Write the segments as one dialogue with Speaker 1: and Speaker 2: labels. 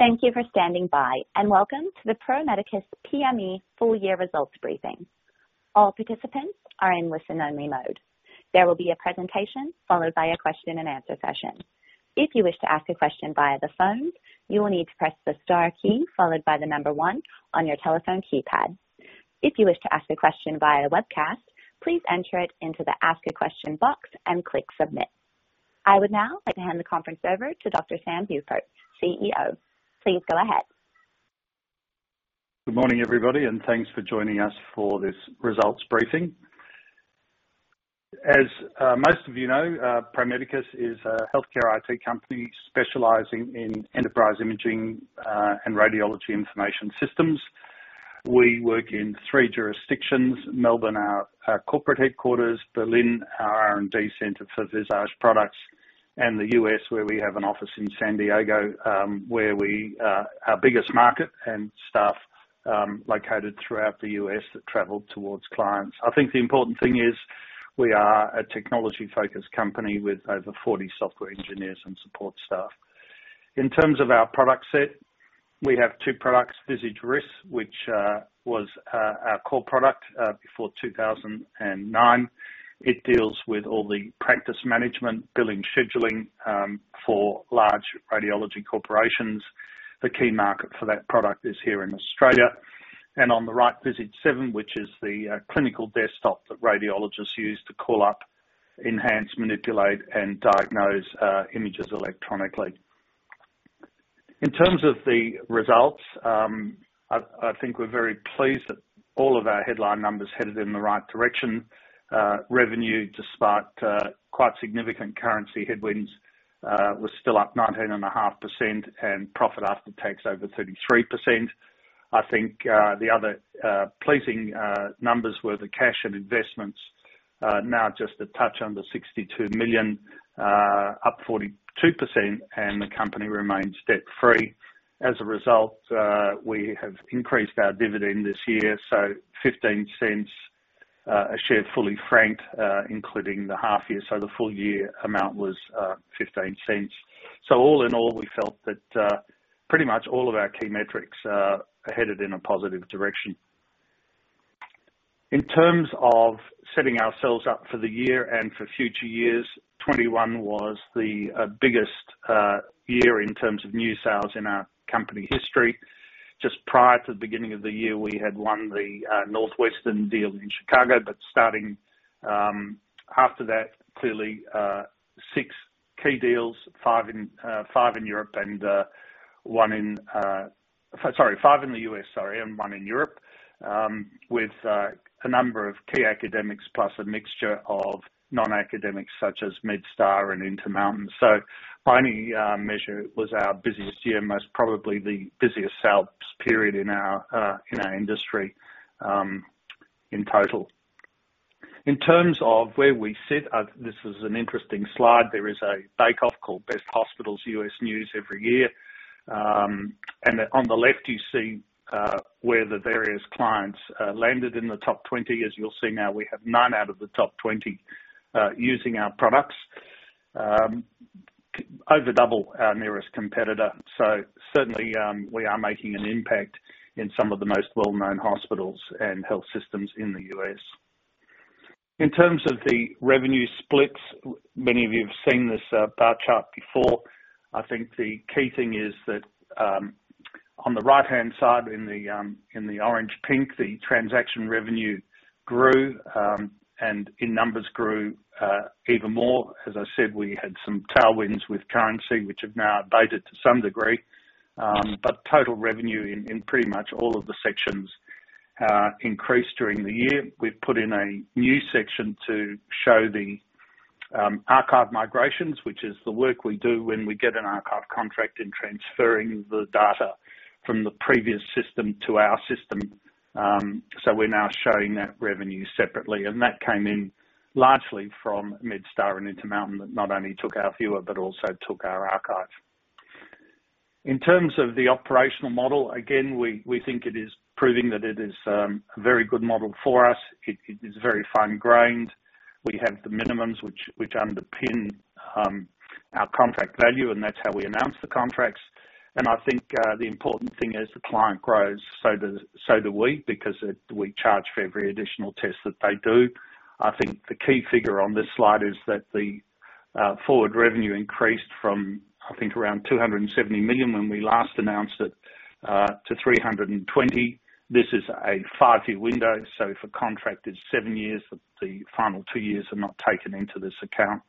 Speaker 1: Thank you for standing by, and welcome to the Pro Medicus PME Full Year Results Briefing. All participants are in listen-only mode. There will be a presentation followed by a question and answer session. If you wish to ask a question via the phone, you will need to press the star key followed by the number one on your telephone keypad. If you wish to ask a question via webcast, please enter it into the ask a question box and click submit. I would now like to hand the conference over to Dr. Sam Hupert, CEO. Please go ahead.
Speaker 2: Good morning, everybody, and thanks for joining us for this results briefing. As most of you know, Pro Medicus is a healthcare IT company specializing in enterprise imaging, and radiology information systems. We work in three jurisdictions, Melbourne, our corporate headquarters, Berlin, our R&D center for Visage products, and the U.S. where we have an office in San Diego, our biggest market and staff, located throughout the U.S. that travel towards clients. I think the important thing is we are a technology-focused company with over 40 software engineers and support staff. In terms of our product set, we have two products, Visage RIS, which was our core product before 2009. It deals with all the practice management, billing, scheduling, for large radiology corporations. The key market for that product is here in Australia. On the right, Visage 7, which is the clinical desktop that radiologists use to call up, enhance, manipulate, and diagnose images electronically. In terms of the results, I think we're very pleased that all of our headline numbers headed in the right direction. Revenue, despite quite significant currency headwinds, was still up 19.5% and profit after tax over 33%. I think, the other pleasing numbers were the cash and investments, now just a touch under 62 million, up 42%, and the company remains debt-free. As a result, we have increased our dividend this year, so 0.15, a share fully franked, including the half year. The full-year amount was 0.15. All in all, we felt that pretty much all of our key metrics are headed in a positive direction. In terms of setting ourselves up for the year and for future years, 2021 was the biggest year in terms of new sales in our company history. Just prior to the beginning of the year, we had won the Northwestern Medicine deal in Chicago. Starting after that, clearly, six key deals, five in Europe. Five in the U.S., sorry, and one in Europe, with a number of key academics plus a mixture of non-academics such as MedStar Health and Intermountain Health. By any measure, it was our busiest year, most probably the busiest sales period in our industry in total. In terms of where we sit, this is an interesting slide. There is a bake-off called U.S. News & World Report Best Hospitals every year. On the left, you see where the various clients landed in the top 20. As you'll see now, we have 9 out of the top 20 using our products. Over double our nearest competitor. Certainly, we are making an impact in some of the most well-known hospitals and health systems in the U.S. In terms of the revenue splits, many of you have seen this bar chart before. I think the key thing is that, on the right-hand side in the orange-pink, the transaction revenue grew, and in numbers grew even more. As I said, we had some tailwinds with currency, which have now abated to some degree. Total revenue in pretty much all of the sections increased during the year. We've put in a new section to show the archive migrations, which is the work we do when we get an archive contract in transferring the data from the previous system to our system. We're now showing that revenue separately, and that came in largely from MedStar and Intermountain, that not only took our viewer, but also took our archive. In terms of the operational model, again, we think it is proving that it is a very good model for us. It is very fine-grained. We have the minimums which underpin our contract value, and that's how we announce the contracts. I think, the important thing as the client grows, so do we, because we charge for every additional test that they do. I think the key figure on this slide is that the forward revenue increased from, I think around 270 million when we last announced it, to 320 million. This is a five-year window, so if a contract is seven years, the final two years are not taken into this account.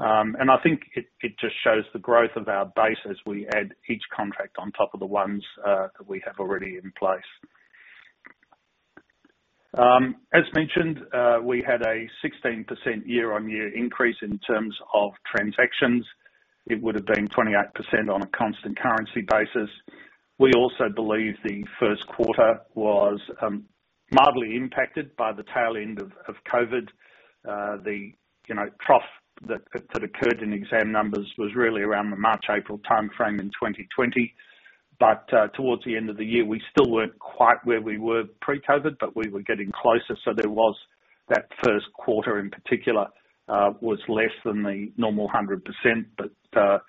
Speaker 2: I think it just shows the growth of our base as we add each contract on top of the ones that we have already in place. As mentioned, we had a 16% year-on-year increase in terms of transactions. It would have been 28% on a constant currency basis. We also believe the Q1 was mildly impacted by the tail end of COVID. The trough that occurred in exam numbers was really around the March, April timeframe in 2020. Towards the end of the year, we still weren't quite where we were pre-COVID, but we were getting closer, That Q1 in particular was less than the normal 100%, but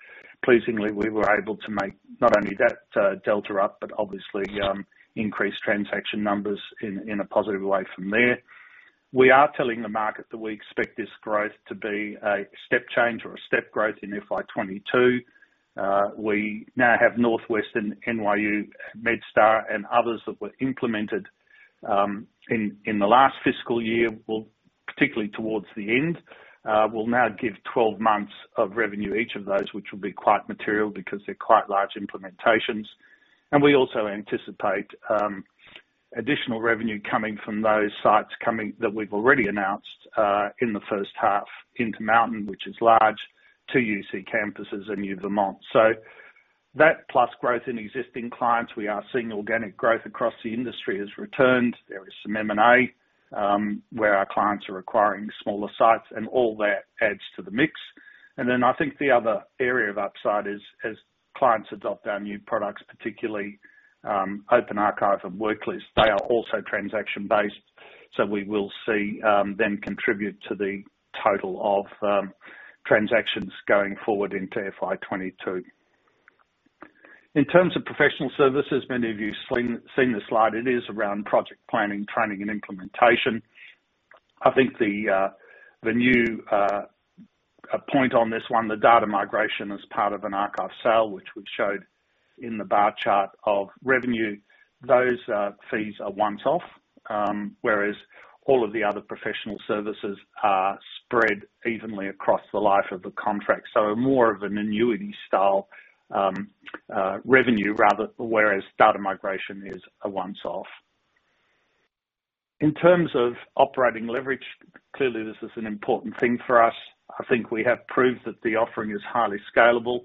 Speaker 2: pleasingly, we were able to make not only that delta up, but obviously increase transaction numbers in a positive way from there. We are telling the market that we expect this growth to be a step change or a step growth in FY 2022. We now have Northwestern, NYU, MedStar, and others that were implemented in the last fiscal year, well, particularly towards the end, will now give 12 months of revenue, each of those, which will be quite material because they're quite large implementations. We also anticipate additional revenue coming from those sites that we've already announced in the first half, Intermountain, which is large, two UC campuses, and U Vermont. That plus growth in existing clients, we are seeing organic growth across the industry has returned. There is some M&A, where our clients are acquiring smaller sites, and all that adds to the mix. Then I think the other area of upside is as clients adopt our new products, particularly Open Archive and Worklist, they are also transaction-based. We will see them contribute to the total of transactions going forward into FY 2022. In terms of professional services, many of you've seen the slide. It is around project planning, training and implementation. I think the new point on this one, the data migration as part of an archive sale, which we've showed in the bar chart of revenue, those fees are once off. Whereas all of the other professional services are spread evenly across the life of the contract. More of an annuity style revenue rather, whereas data migration is a once off. In terms of operating leverage, clearly this is an important thing for us. I think we have proved that the offering is highly scalable.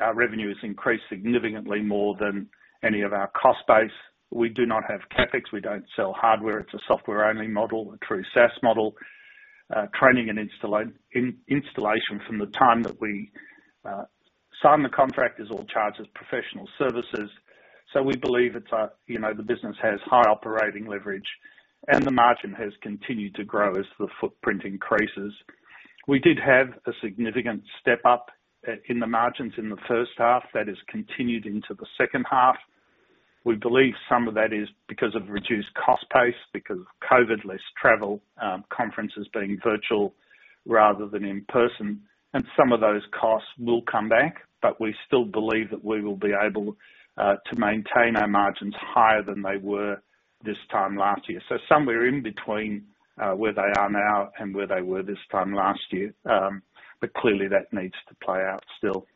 Speaker 2: Our revenue has increased significantly more than any of our cost base. We do not have CapEx. We don't sell hardware. It's a software-only model, a true SaaS model. Training and installation from the time that we sign the contract is all charged as professional services. We believe the business has high operating leverage, and the margin has continued to grow as the footprint increases. We did have a significant step up in the margins in the first half. That has continued into the second half. We believe some of that is because of reduced cost base, because of COVID, less travel, conferences being virtual rather than in-person. Some of those costs will come back, but we still believe that we will be able to maintain our margins higher than they were this time last year. Somewhere in between where they are now and where they were this time last year. Clearly that needs to play out still.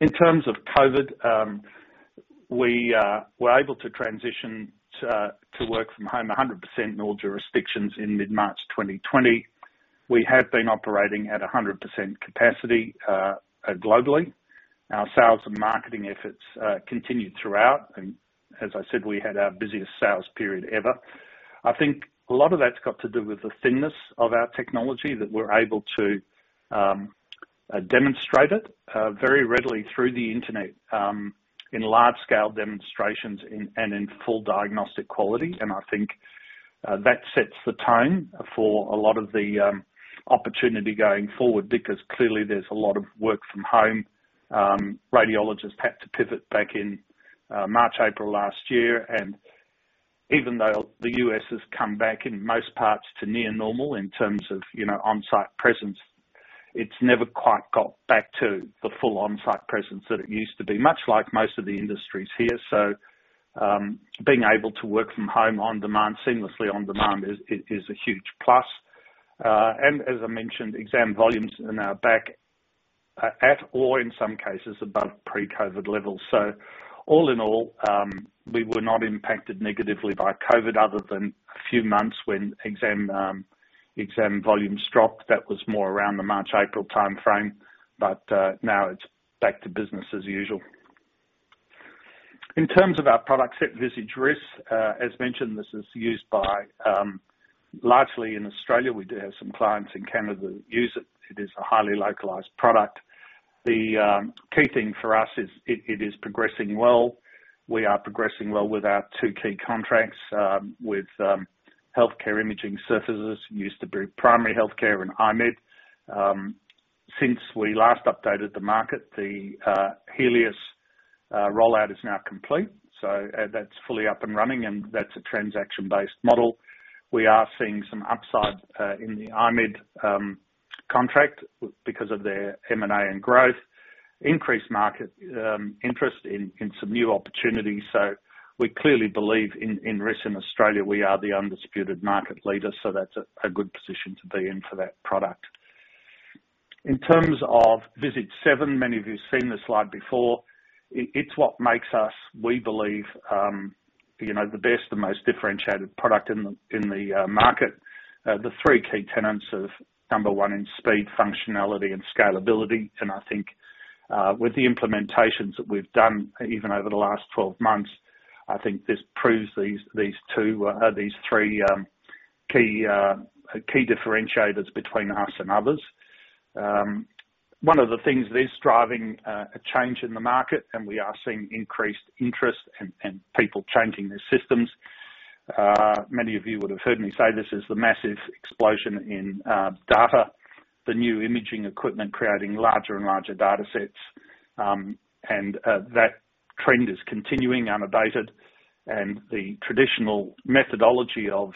Speaker 2: In terms of COVID, we were able to transition to work from home 100% in all jurisdictions in mid-March 2020. We have been operating at 100% capacity globally. Our sales and marketing efforts continued throughout. As I said, we had our busiest sales period ever. I think a lot of that's got to do with the thinness of our technology that we're able to demonstrate it very readily through the internet, in large scale demonstrations and in full diagnostic quality. I think that sets the tone for a lot of the opportunity going forward, because clearly there's a lot of work from home. Radiologists had to pivot back in March, April last year. Even though the U.S. has come back in most parts to near normal in terms of onsite presence, it's never quite got back to the full onsite presence that it used to be. Much like most of the industries here. Being able to work from home on-demand, seamlessly on-demand is a huge plus. As I mentioned, exam volumes are now back at or in some cases above pre-COVID levels. All in all, we were not impacted negatively by COVID other than a few months when exam volumes dropped. That was more around the March, April timeframe. Now it's back to business as usual. In terms of our products, Visage RIS, as mentioned, this is used by largely in Australia. We do have some clients in Canada that use it. It is a highly localized product. The key thing for us is it is progressing well. We are progressing well with our two key contracts, with Healthcare Imaging Services, used to be Primary Healthcare and I-MED. Since we last updated the market, the Healius rollout is now complete. That's fully up and running, and that's a transaction-based model. We are seeing some upside in the I-MED contract because of their M&A and growth, increased market interest in some new opportunities. We clearly believe in RIS in Australia, we are the undisputed market leader, so that's a good position to be in for that product. In terms of Visage 7, many of you've seen this slide before. It's what makes us, we believe, the best and most differentiated product in the market. The three key tenants of number one in speed, functionality, and scalability. I think, with the implementations that we've done even over the last 12 months, I think this proves these three key differentiators between us and others. One of the things that is driving a change in the market, and we are seeing increased interest and people changing their systems. Many of you would have heard me say this is the massive explosion in data, the new imaging equipment creating larger and larger data sets. That trend is continuing unabated, and the traditional methodology of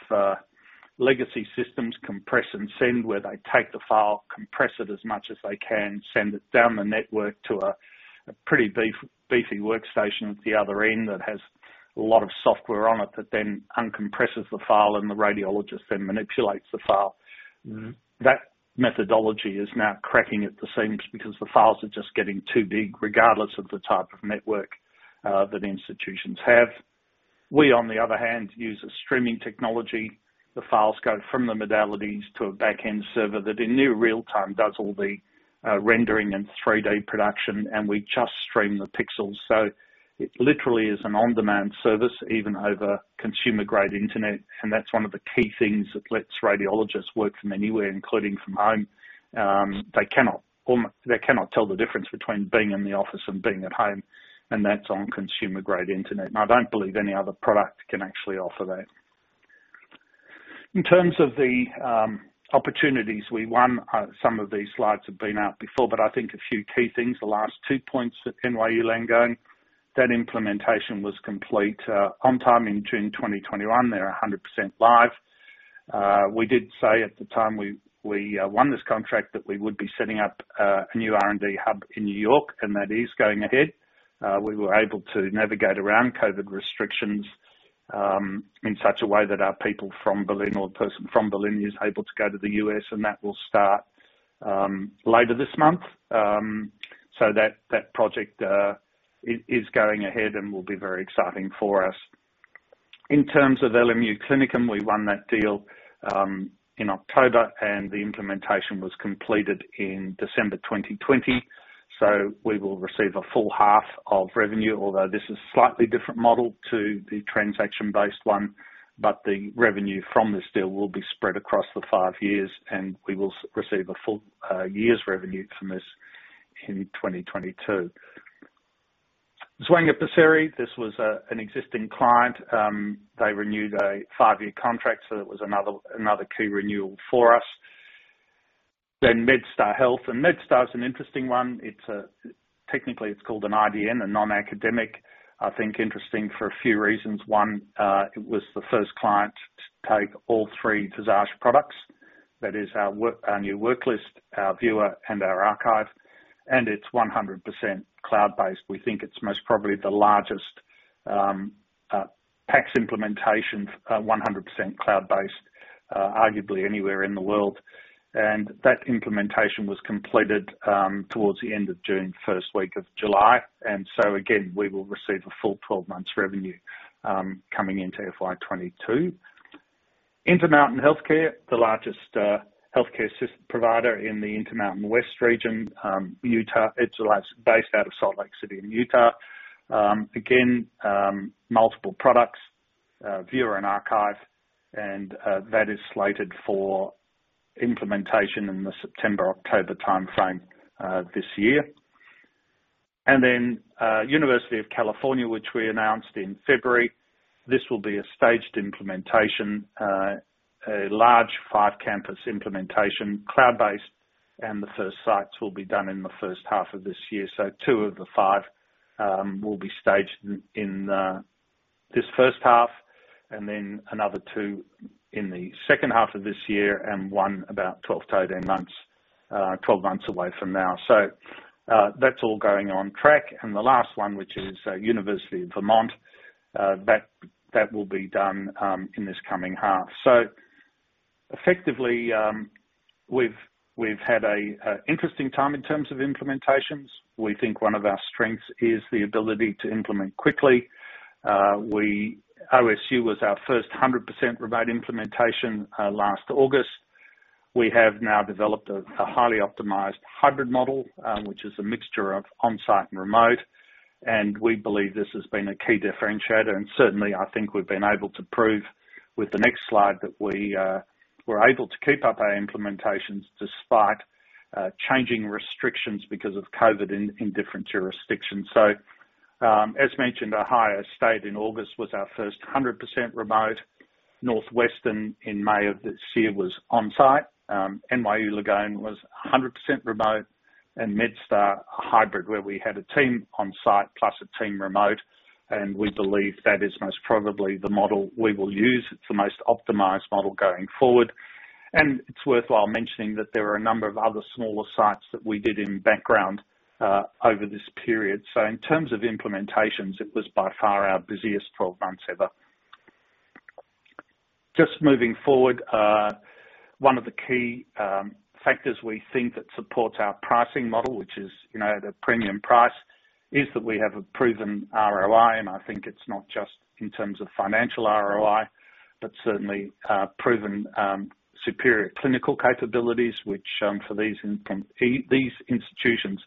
Speaker 2: legacy systems compress and send, where they take the file, compress it as much as they can, send it down the network to a pretty beefy workstation at the other end that has a lot of software on it, that then uncompresses the file and the radiologist then manipulates the file. That methodology is now cracking at the seams because the files are just getting too big, regardless of the type of network that institutions have. We, on the other hand, use a streaming technology. The files go from the modalities to a back-end server that in near real time does all the rendering and 3D production, and we just stream the pixels. It literally is an on-demand service, even over consumer-grade internet, and that's one of the key things that lets radiologists work from anywhere, including from home. They cannot tell the difference between being in the office and being at home, and that's on consumer-grade internet, and I don't believe any other product can actually offer that. In terms of the opportunities, some of these slides have been out before, I think a few key things. The last 2 points, NYU Langone, that implementation was complete on time in June 2021. They're 100% live. We did say at the time we won this contract that we would be setting up a new R&D hub in New York. That is going ahead. We were able to navigate around COVID restrictions, in such a way that our people from Berlin or person from Berlin is able to go to the U.S. That will start later this month. That project is going ahead and will be very exciting for us. In terms of LMU Klinikum, we won that deal in October. The implementation was completed in December 2020. We will receive a full half of revenue, although this is slightly different model to the transaction-based one, but the revenue from this deal will be spread across the five years, and we will receive a full year's revenue from this in 2022. Zwanger-Pesiri, this was an existing client. They renewed a five-year contract, so that was another key renewal for us. MedStar Health. MedStar is an interesting one. Technically, it's called an IDN, a non-academic. I think interesting for a few reasons. One, it was the first client to take all 3 Visage products. That is our new Worklist, our viewer, and our archive, and it's 100% cloud-based. We think it's most probably the largest PACS implementation, 100% cloud-based, arguably anywhere in the world. That implementation was completed towards the end of June, first week of July. Again, we will receive a full 12 months revenue coming into FY 2022. Intermountain Health, the largest healthcare system provider in the Intermountain West region, Utah. It's based out of Salt Lake City in Utah. Again, multiple products, viewer and archive, and that is slated for implementation in the September, October timeframe this year. University of California Health, which we announced in February. This will be a staged implementation, a large five-campus implementation, cloud-based, and the first sites will be done in the first half of this year. Two of the five will be staged in this first half, and another two in the second half of this year, and one about 12-18 months, 12 months away from now. That's all going on track. The last one, which is University of Vermont Health, that will be done in this coming half. Effectively, we've had an interesting time in terms of implementations. We think one of our strengths is the ability to implement quickly. OSU was our first 100% remote implementation last August. We have now developed a highly optimized hybrid model, which is a mixture of on-site and remote, and we believe this has been a key differentiator. Certainly, I think we've been able to prove with the next slide that we're able to keep up our implementations despite changing restrictions because of COVID in different jurisdictions. As mentioned, Ohio State in August was our first 100% remote. Northwestern in May of this year was on-site. NYU Langone was 100% remote. MedStar, a hybrid where we had a team on-site plus a team remote. We believe that is most probably the model we will use. It's the most optimized model going forward. It's worthwhile mentioning that there are a number of other smaller sites that we did in background over this period. In terms of implementations, it was by far our busiest 12 months ever. Just moving forward, one of the key factors we think that supports our pricing model, which is the premium price, is that we have a proven ROI. I think it's not just in terms of financial ROI, but certainly proven superior clinical capabilities, which for these institutions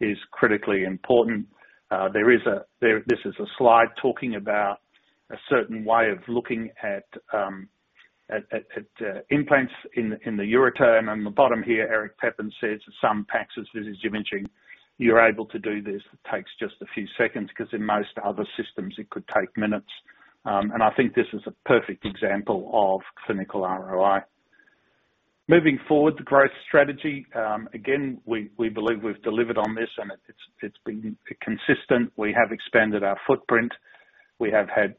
Speaker 2: is critically important. This is a slide talking about a certain way of looking at implants in the ureter, and on the bottom here, Eric Pepin says, "At some PACS, as Visage Imaging, you're able to do this. It takes just a few seconds, because in most other systems, it could take minutes." I think this is a perfect example of clinical ROI. Moving forward, the growth strategy. Again, we believe we've delivered on this, and it's been consistent. We have expanded our footprint. We have had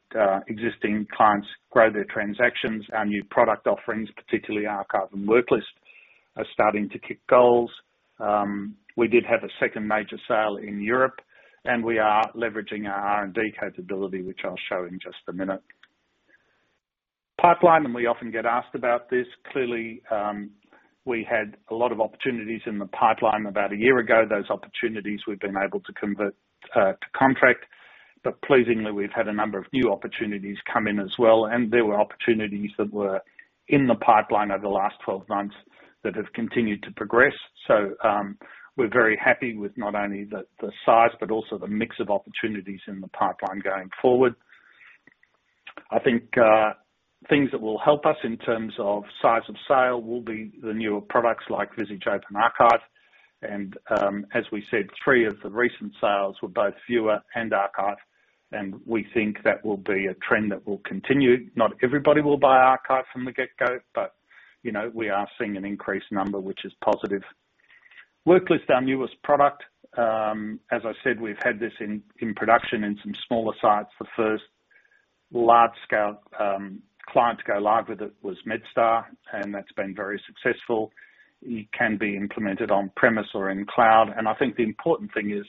Speaker 2: existing clients grow their transactions. Our new product offerings, particularly Archive and Worklist, are starting to kick goals. We did have a second major sale in Europe, and we are leveraging our R&D capability, which I'll show in just 1 minute. Pipeline. We often get asked about this. Clearly, we had a lot of opportunities in the pipeline about one year ago. Those opportunities we've been able to convert to contract. Pleasingly, we've had a number of new opportunities come in as well, and there were opportunities that were in the pipeline over the last 12 months that have continued to progress. We're very happy with not only the size, but also the mix of opportunities in the pipeline going forward. I think things that will help us in terms of size of sale will be the newer products like Visage 7 Open Archive. As we said, three of the recent sales were both Viewer and Archive, and we think that will be a trend that will continue. Not everybody will buy Archive from the get-go, but we are seeing an increased number, which is positive. Visage 7 Worklist, our newest product. As I said, we've had this in production in some smaller sites. The first large-scale client to go live with it was MedStar Health, and that's been very successful. It can be implemented on-premise or in cloud. I think the important thing is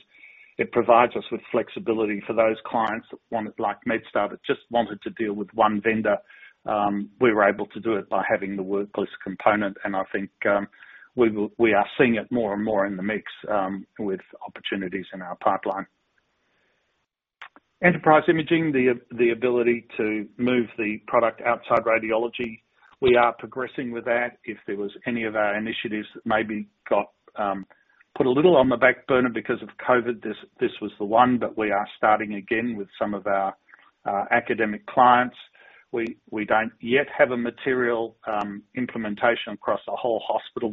Speaker 2: it provides us with flexibility for those clients, like MedStar Health, that just wanted to deal with one vendor. We were able to do it by having the Worklist component. I think we are seeing it more and more in the mix with opportunities in our pipeline. Enterprise imaging, the ability to move the product outside radiology, we are progressing with that. If there was any of our initiatives that maybe got put a little on the back burner because of COVID, this was the one. We are starting again with some of our academic clients. We don't yet have a material implementation across a whole hospital,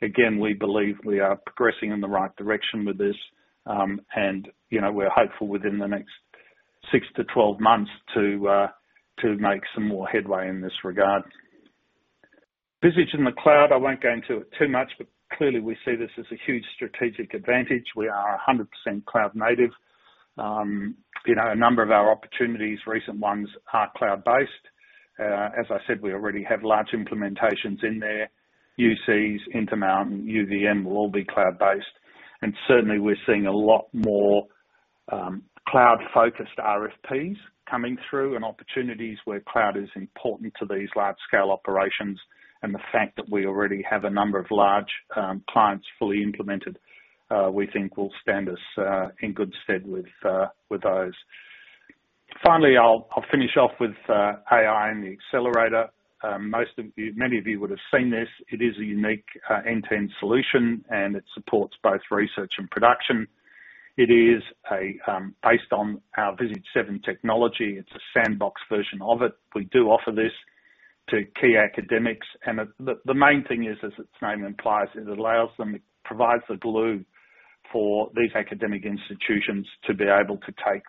Speaker 2: but again, we believe we are progressing in the right direction with this. We're hopeful within the next 6-12 months to make some more headway in this regard. Visage in the cloud, I won't go into it too much, but clearly we see this as a huge strategic advantage. We are 100% cloud-native. A number of our opportunities, recent ones, are cloud-based. As I said, we already have large implementations in there. UCs, Intermountain, UVM will all be cloud-based. Certainly, we're seeing a lot more cloud-focused RFPs coming through and opportunities where cloud is important to these large-scale operations. The fact that we already have a number of large clients fully implemented, we think will stand us in good stead with those. Finally, I'll finish off with AI and the Accelerator. Many of you would have seen this. It is a unique end-to-end solution. It supports both research and production. It is based on our Visage 7 technology. It's a sandbox version of it. We do offer this to key academics. The main thing is, as its name implies, it allows them, it provides the glue for these academic institutions to be able to take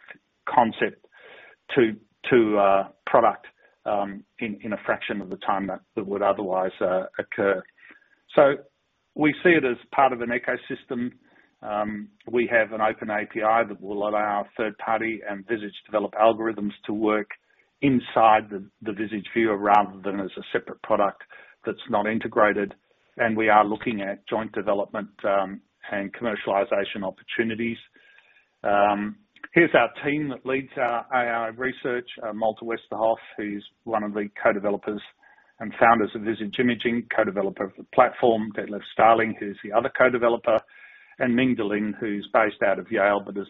Speaker 2: concept to a product in a fraction of the time that would otherwise occur. We see it as part of an ecosystem. We have an open API that will allow third party and Visage developed algorithms to work inside the Visage viewer rather than as a separate product that's not integrated. We are looking at joint development and commercialization opportunities. Here's our team that leads our AI research. Malte Westerhoff, who's one of the co-developers and founders of Visage Imaging, co-developer of the platform. Detlev Stalling, who's the other co-developer, and Ming De Lin, who's based out of Yale, but is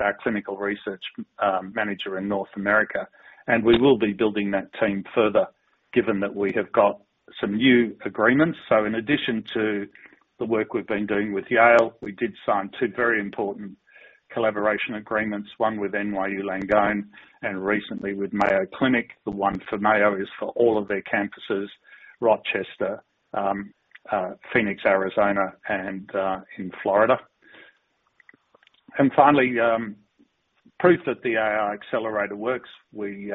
Speaker 2: our clinical research manager in North America. We will be building that team further given that we have got some new agreements. In addition to the work we've been doing with Yale, we did sign two very important collaboration agreements, one with NYU Langone and recently with Mayo Clinic. The one for Mayo is for all of their campuses, Rochester, Phoenix, Arizona, and in Florida. Finally, proof that the AI Accelerator works. We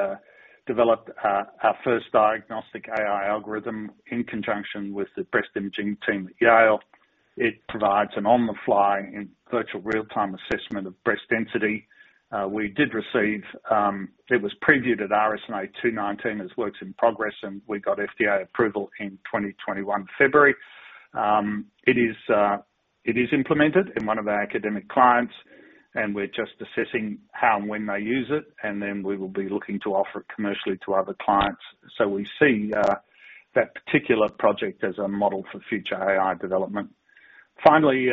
Speaker 2: developed our first diagnostic AI algorithm in conjunction with the breast imaging team at Yale. It provides an on-the-fly and virtual real-time assessment of breast density. It was previewed at RSNA 2019 as works in progress, and we got FDA approval in 2021, February. It is implemented in one of our academic clients, and we're just assessing how and when they use it, and then we will be looking to offer it commercially to other clients. We see that particular project as a model for future AI development. Finally,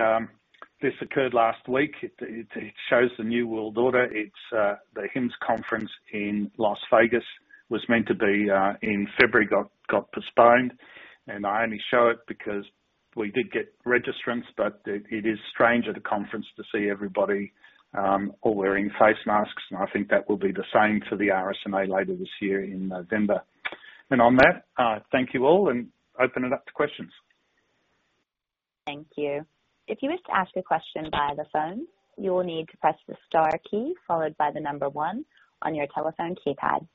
Speaker 2: this occurred last week. It shows the new world order. It's the HIMSS conference in Las Vegas. Was meant to be in February, got postponed. I only show it because we did get registrants, but it is strange at a conference to see everybody all wearing face masks, and I think that will be the same for the RSNA later this year in November. On that, thank you all, and open it up to questions.
Speaker 1: Thank you. If you wish to ask a question via the phone, you will need to press the star key followed by the number one on your telephone keypad.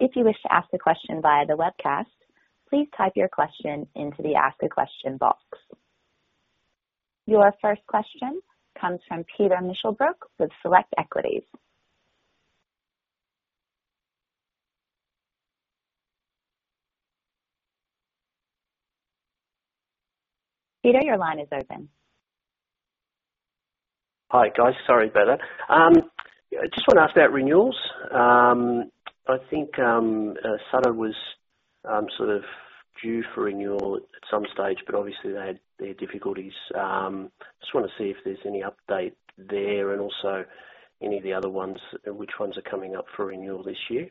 Speaker 1: If you wish to ask a question via the webcast, please type your question into the ask a question box. Your first question comes from Peter Meichelboeck with Select Equities. Peter, your line is open.
Speaker 3: Hi, guys. Sorry about that. I just want to ask about renewals. I think Sutter was sort of due for renewal at some stage, but obviously they had their difficulties. I just want to see if there's any update there and also any of the other ones, and which ones are coming up for renewal this year.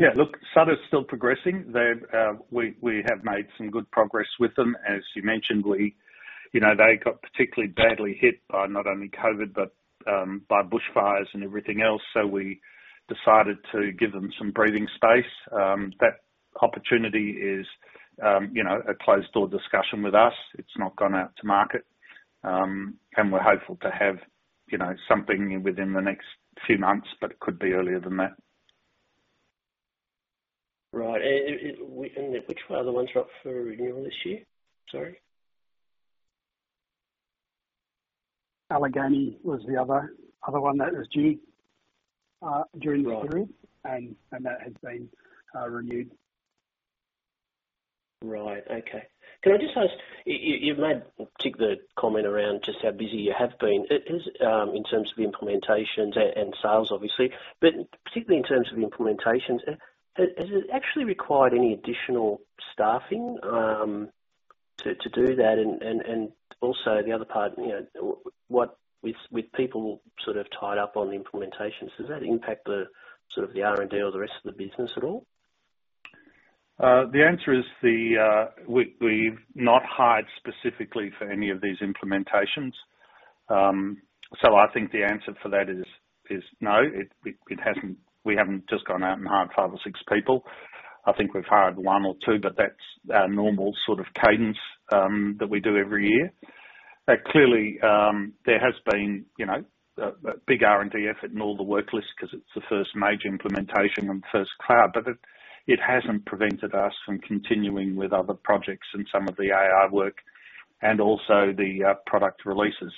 Speaker 2: Yeah. Look, Sutter's still progressing. We have made some good progress with them. As you mentioned, they got particularly badly hit by not only COVID, but by bushfires and everything else. We decided to give them some breathing space. That opportunity is a closed-door discussion with us. It's not gone out to market. We're hopeful to have something within the next few months, but it could be earlier than that.
Speaker 3: Right. Which other ones are up for renewal this year? Sorry.
Speaker 2: Allegheny was the other one that was due during the period.
Speaker 3: Right.
Speaker 2: That has been renewed.
Speaker 3: Right. Okay. Can I just ask, you've made a quick comment around just how busy you have been in terms of the implementations and sales, obviously, but particularly in terms of the implementations. Has it actually required any additional staffing to do that? Also the other part, with people sort of tied up on the implementations, does that impact the sort of the R&D or the rest of the business at all?
Speaker 2: The answer is we've not hired specifically for any of these implementations. I think the answer for that is no. We haven't just gone out and hired five or six people. I think we've hired one or two, but that's our normal sort of cadence that we do every year. Clearly, there has been a big R&D effort and all the work lists because it's the first major implementation on the first cloud, It hasn't prevented us from continuing with other projects and some of the AI work and also the product releases.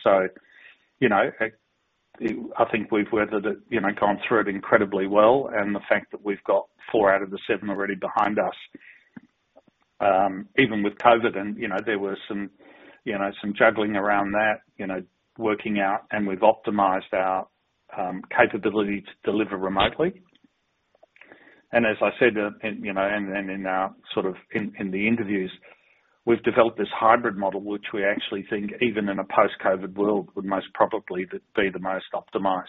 Speaker 2: I think we've weathered it, gone through it incredibly well. The fact that we've got four out of the seven already behind us, even with COVID and there was some juggling around that, working out, and we've optimized our capability to deliver remotely. As I said in the interviews, we've developed this hybrid model, which we actually think even in a post-COVID world, would most probably be the most optimized.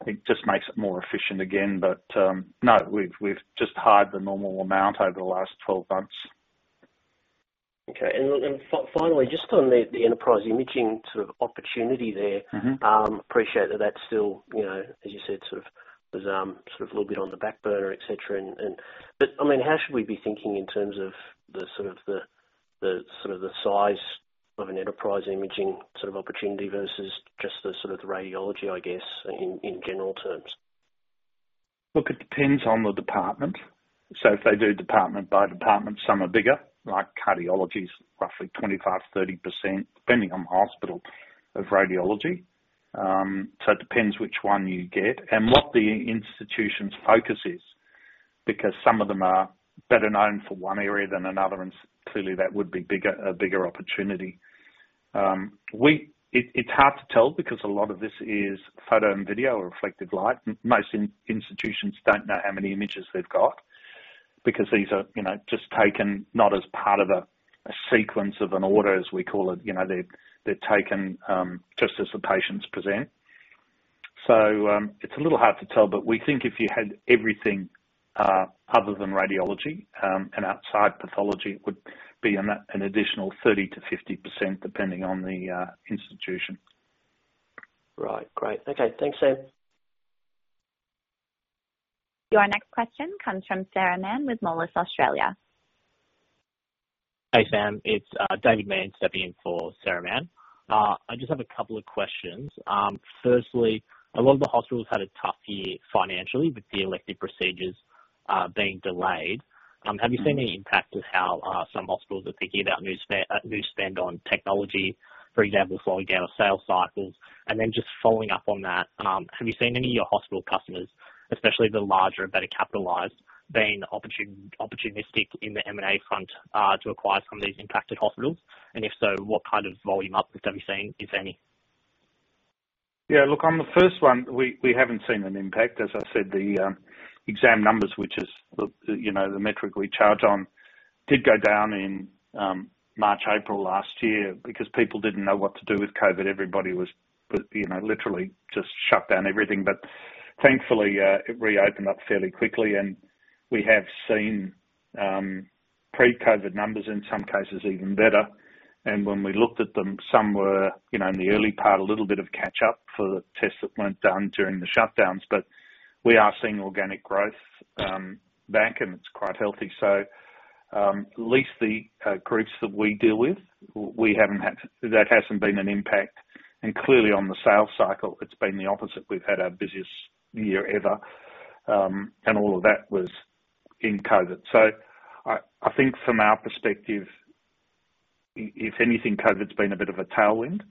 Speaker 2: I think just makes it more efficient again. No, we've just hired the normal amount over the last 12 months.
Speaker 3: Okay. Finally, just on the enterprise imaging sort of opportunity there. Appreciate that that's still, as you said, sort of a little bit on the back burner, et cetera. How should we be thinking in terms of the sort of the size of an enterprise imaging sort of opportunity versus just the sort of the radiology, I guess, in general terms?
Speaker 2: It depends on the department. If they do department by department, some are bigger, like cardiology is roughly 25%-30%, depending on the hospital, of radiology. It depends which one you get and what the institution's focus is, because some of them are better known for one area than another, and clearly that would be a bigger opportunity. It's hard to tell because a lot of this is photo and video or reflected light. Most institutions don't know how many images they've got because these are just taken, not as part of a sequence of an order, as we call it. They're taken just as the patients present. It's a little hard to tell, but we think if you had everything other than radiology, and outside pathology, it would be an additional 30%-50%, depending on the institution.
Speaker 3: Right. Great. Okay. Thanks, Sam.
Speaker 1: Your next question comes from Sarah Mann with Moelis Australia.
Speaker 4: Hey, Sam. It's Sinclair Currie stepping in for Sarah Mann. I just have a couple of questions. Firstly, a lot of the hospitals had a tough year financially with the elective procedures being delayed. Have you seen any impact with how some hospitals are thinking about new spend on technology, for example, slowing down of sales cycles? Then just following up on that, have you seen any of your hospital customers, especially the larger and better capitalized, being opportunistic in the M&A front to acquire some of these impacted hospitals? If so, what kind of volume up have you been seeing, if any?
Speaker 2: Yeah, look, on the first one, we haven't seen an impact. As I said, the exam numbers, which is the metric we charge on did go down in March, April last year because people didn't know what to do with COVID. Everybody was literally just shut down everything. Thankfully, it reopened up fairly quickly, and we have seen pre-COVID numbers, in some cases even better. When we looked at them, some were in the early part, a little bit of catch up for the tests that weren't done during the shutdowns. We are seeing organic growth back, and it's quite healthy. At least the groups that we deal with, that hasn't been an impact. Clearly on the sales cycle, it's been the opposite. We've had our busiest year ever, and all of that was in COVID. I think from our perspective, if anything, COVID's been a bit of a tailwind.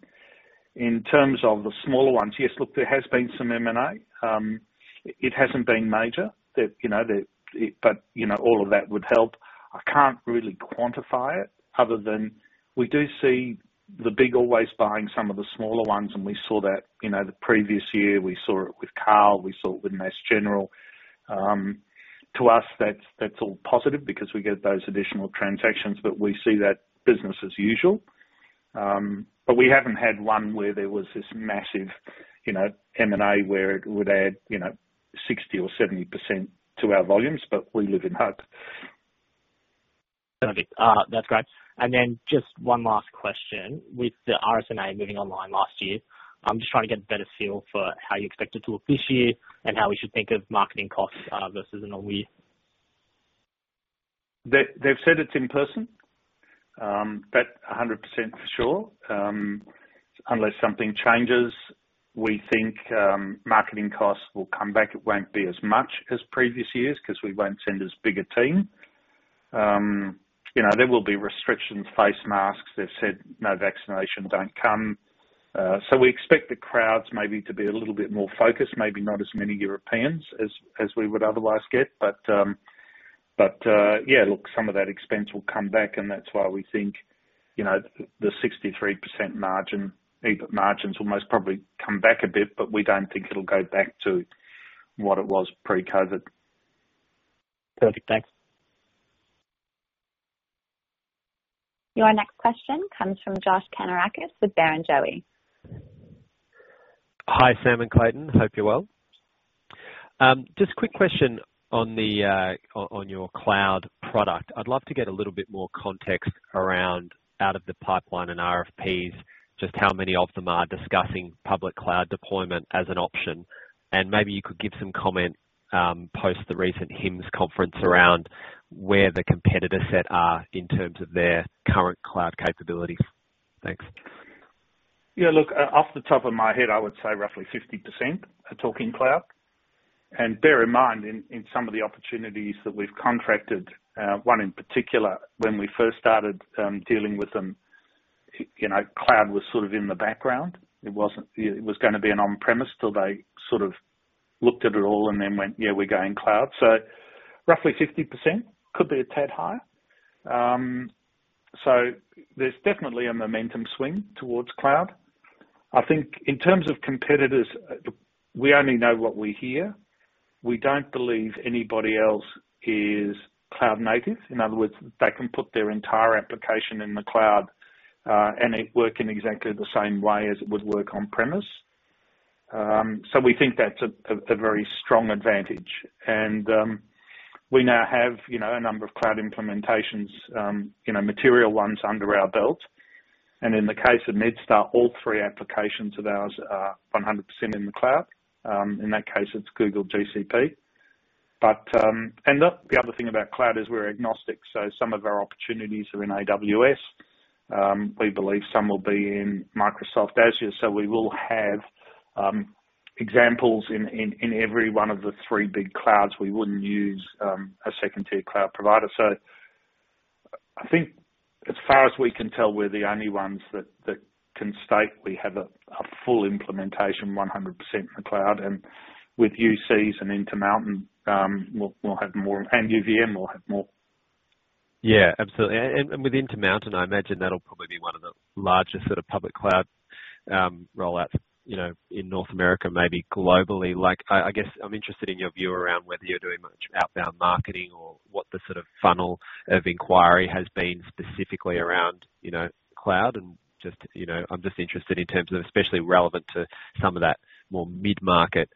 Speaker 2: In terms of the smaller ones, yes, look, there has been some M&A. It hasn't been major, but all of that would help. I can't really quantify it other than we do see the big always buying some of the smaller ones, and we saw that the previous year. We saw it with Carle, we saw it with Mass General. To us, that's all positive because we get those additional transactions, but we see that business as usual. We haven't had one where there was this massive M&A where it would add 60% or 70% to our volumes, but we live in hope.
Speaker 4: Perfect. That's great. Just one last question. With the RSNA moving online last year, I'm just trying to get a better feel for how you expect it to look this year and how we should think of marketing costs versus an all-virtual.
Speaker 2: They've said it's in person. That 100% for sure. Unless something changes, we think marketing costs will come back. It won't be as much as previous years because we won't send as big a team. There will be restrictions, face masks. They've said, "No vaccination, don't come." We expect the crowds maybe to be a little bit more focused, maybe not as many Europeans as we would otherwise get. Yeah, look, some of that expense will come back, and that's why we think the 63% margin, EBIT margins will most probably come back a bit, but we don't think it'll go back to what it was pre-COVID.
Speaker 4: Perfect. Thanks.
Speaker 1: Your next question comes from Josh Kannourakis with Barrenjoey.
Speaker 5: Hi, Sam and Clayton. Hope you're well. Just a quick question on your cloud product. I'd love to get a little bit more context around out of the pipeline and RFPs, just how many of them are discussing public cloud deployment as an option. Maybe you could give some comment, post the recent HIMSS conference around where the competitor set are in terms of their current cloud capabilities. Thanks.
Speaker 2: Yeah, look, off the top of my head, I would say roughly 50% are talking cloud. Bear in mind, in some of the opportunities that we've contracted, one in particular when we first started dealing with them, cloud was sort of in the background. It was going to be an on-premise till they sort of looked at it all went, "Yeah, we're going cloud." Roughly 50%, could be a tad higher. There's definitely a momentum swing towards cloud. I think in terms of competitors, we only know what we hear. We don't believe anybody else is cloud native. In other words, they can put their entire application in the cloud, it work in exactly the same way as it would work on-premise. We think that's a very strong advantage. We now have a number of cloud implementations, material ones under our belt. In the case of MedStar, all three applications of ours are 100% in the cloud. In that case, it's Google GCP. Look, the other thing about cloud is we're agnostic, so some of our opportunities are in AWS. We believe some will be in Microsoft Azure. We will have examples in every one of the three big clouds. We wouldn't use a second-tier cloud provider. I think as far as we can tell, we're the only ones that can state we have a full implementation 100% in the cloud. With UCs and Intermountain, we'll have more, and UVM, we'll have more.
Speaker 5: Yeah, absolutely. With Intermountain, I imagine that'll probably be one of the largest sort of public cloud rollouts in North America, maybe globally. I guess I'm interested in your view around whether you're doing much outbound marketing or what the sort of funnel of inquiry has been specifically around cloud and I'm just interested in terms of, especially relevant to some of that more mid-market,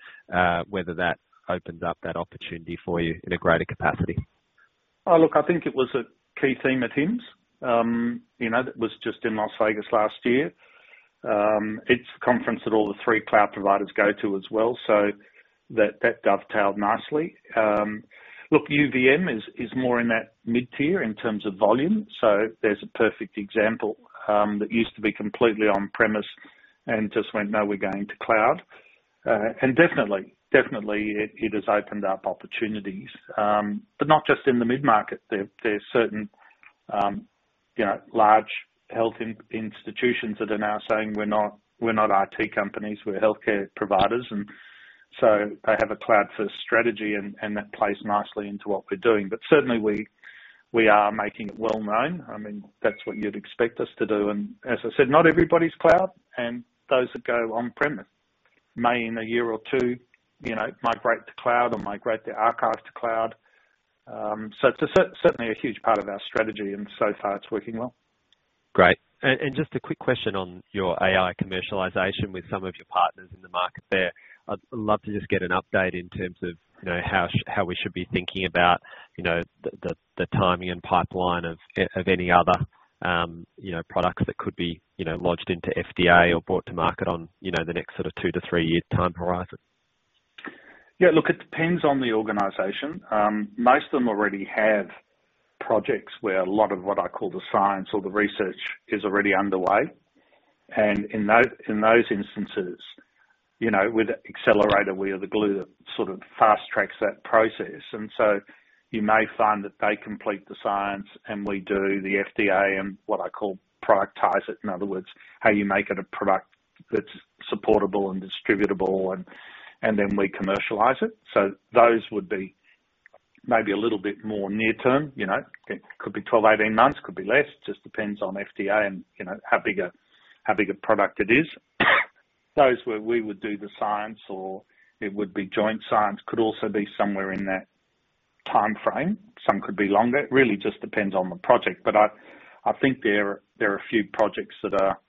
Speaker 5: whether that opens up that opportunity for you in a greater capacity.
Speaker 2: Oh, look, I think it was a key theme at HIMSS. That was just in Las Vegas last year. It's a conference that all the three cloud providers go to as well, that dovetailed nicely. Look, UVM is more in that mid-tier in terms of volume, there's a perfect example, that used to be completely on-premise and just went, "No, we're going to cloud." Definitely, it has opened up opportunities. Not just in the mid-market. There are certain large health institutions that are now saying, "We're not IT companies, we're healthcare providers." They have a cloud-first strategy, that plays nicely into what we're doing. Certainly, we are making it well known. I mean, that's what you'd expect us to do. As I said, not everybody's cloud and those that go on-premise May in a year or two migrate to cloud or migrate their archive to cloud. It's certainly a huge part of our strategy, and so far it's working well.
Speaker 5: Great. Just a quick question on your AI commercialization with some of your partners in the market there. I'd love to just get an update in terms of how we should be thinking about the timing and pipeline of any other products that could be lodged into FDA or brought to market on the next sort of two to three-year time horizon.
Speaker 2: Yeah, look, it depends on the organization. Most of them already have projects where a lot of what I call the science or the research is already underway. In those instances, with Accelerator, we are the glue that sort of fast-tracks that process. You may find that they complete the science, and we do the FDA and what I call productize it, in other words, how you make it a product that's supportable and distributable, and then we commercialize it. Those would be maybe a little bit more near-term. It could be 12, 18 months, could be less, just depends on FDA and how big a product it is. Those where we would do the science or it would be joint science could also be somewhere in that timeframe. Some could be longer. It really just depends on the project. I think there are a few projects that are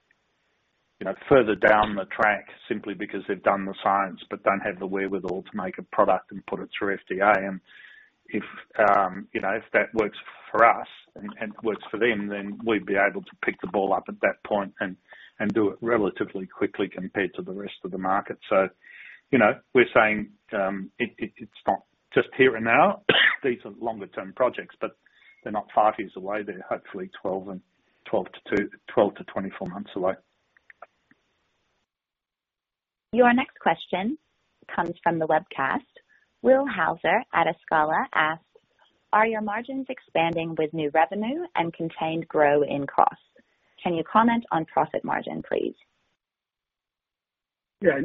Speaker 2: further down the track simply because they've done the science but don't have the wherewithal to make a product and put it through FDA. If that works for us and works for them, then we'd be able to pick the ball up at that point and do it relatively quickly compared to the rest of the market. We're saying it's not just here and now, these are longer-term projects, but they're not five years away. They're hopefully 12-24 months away.
Speaker 1: Your next question comes from the webcast. Will Hauser at Escala asks, "Are your margins expanding with new revenue and contained growth in costs? Can you comment on profit margin, please?
Speaker 6: Yeah.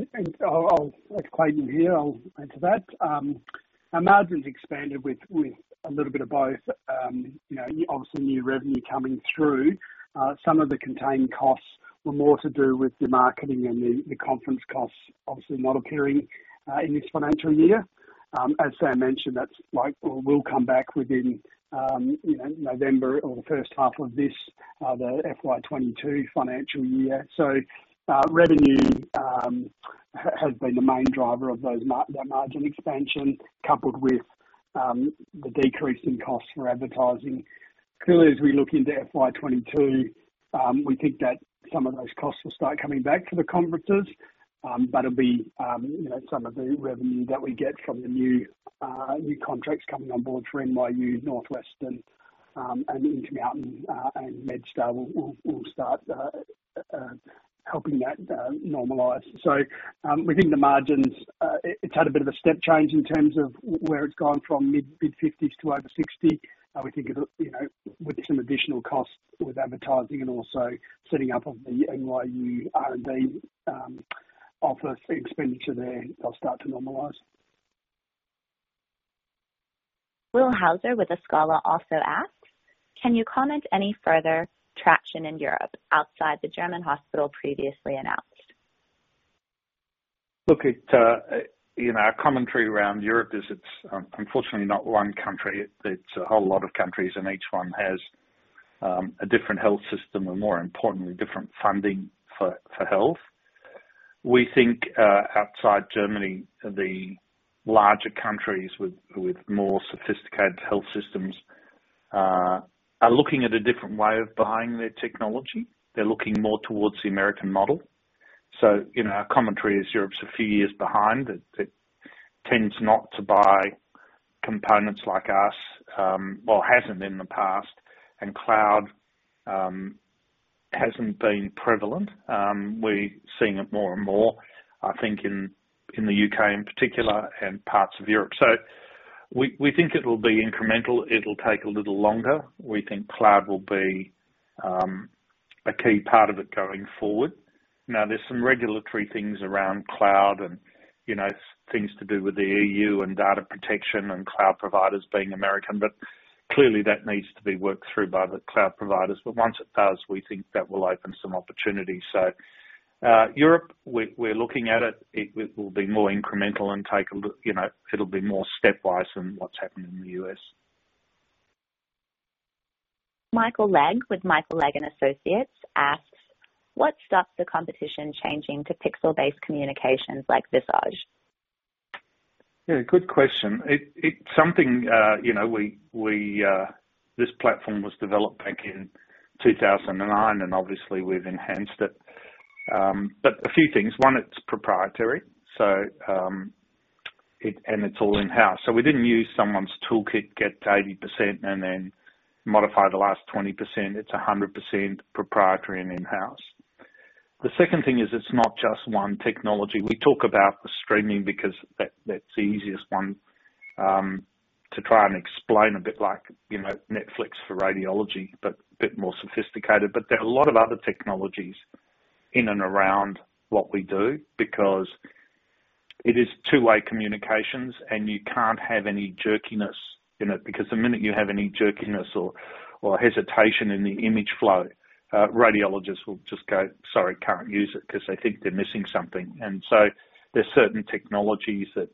Speaker 6: I'll, as Clayton here, I'll answer that. Our margins expanded with a little bit of both. Obviously new revenue coming through. Some of the contained costs were more to do with the marketing and the conference costs, obviously model carrying, in this financial year. As Sam mentioned, that will come back within November or the first half of this, the FY 2022 financial year. Revenue has been the main driver of that margin expansion, coupled with the decrease in costs for advertising. Clearly, as we look into FY 2022, we think that some of those costs will start coming back for the conferences. It'll be some of the revenue that we get from the new contracts coming on board for NYU, Northwestern, and Intermountain, and MedStar will start helping that normalize. We think the margins, it's had a bit of a step change in terms of where it's gone from mid-50s to over 60%. We think of it, with some additional costs with advertising and also setting up of the NYU R&D office expenditure there, they'll start to normalize.
Speaker 1: Will Hauser with Escala also asks, "Can you comment any further traction in Europe outside the German hospital previously announced?
Speaker 2: Look, our commentary around Europe is it's unfortunately not one country, it's a whole lot of countries. Each one has a different health system and more importantly, different funding for health. We think, outside Germany, the larger countries with more sophisticated health systems are looking more toward the American model. Our commentary is Europe's a few years behind. It tends not to buy components like us, well, hasn't in the past. Cloud hasn't been prevalent. We're seeing it more and more, I think in the U.K. in particular and parts of Europe. We think it'll be incremental. It'll take a little longer. We think cloud will be a key part of it going forward. There's some regulatory things around cloud and things to do with the EU and data protection and cloud providers being American. Clearly that needs to be worked through by the cloud providers. Once it does, we think that will open some opportunities. Europe, we're looking at it will be more incremental and take a look. It'll be more stepwise than what's happened in the U.S.
Speaker 1: Michael Legg with Michael Legg and Associates asks, "What stops the competition changing to pixel-based communications like Visage?
Speaker 2: Good question. It's something, this platform was developed back in 2009, and obviously, we've enhanced it. A few things. one, it's proprietary, and it's all in-house. We didn't use someone's toolkit, get to 80%, and then modify the last 20%. It's 100% proprietary and in-house. The second thing is it's not just 1 technology. We talk about the streaming because that's the easiest one to try and explain, a bit like Netflix for radiology, but a bit more sophisticated. There are a lot of other technologies in and around what we do because It is two-way communications, and you can't have any jerkiness in it, because the minute you have any jerkiness or hesitation in the image flow, radiologists will just go, "Sorry, can't use it," because they think they're missing something. There's certain technologies that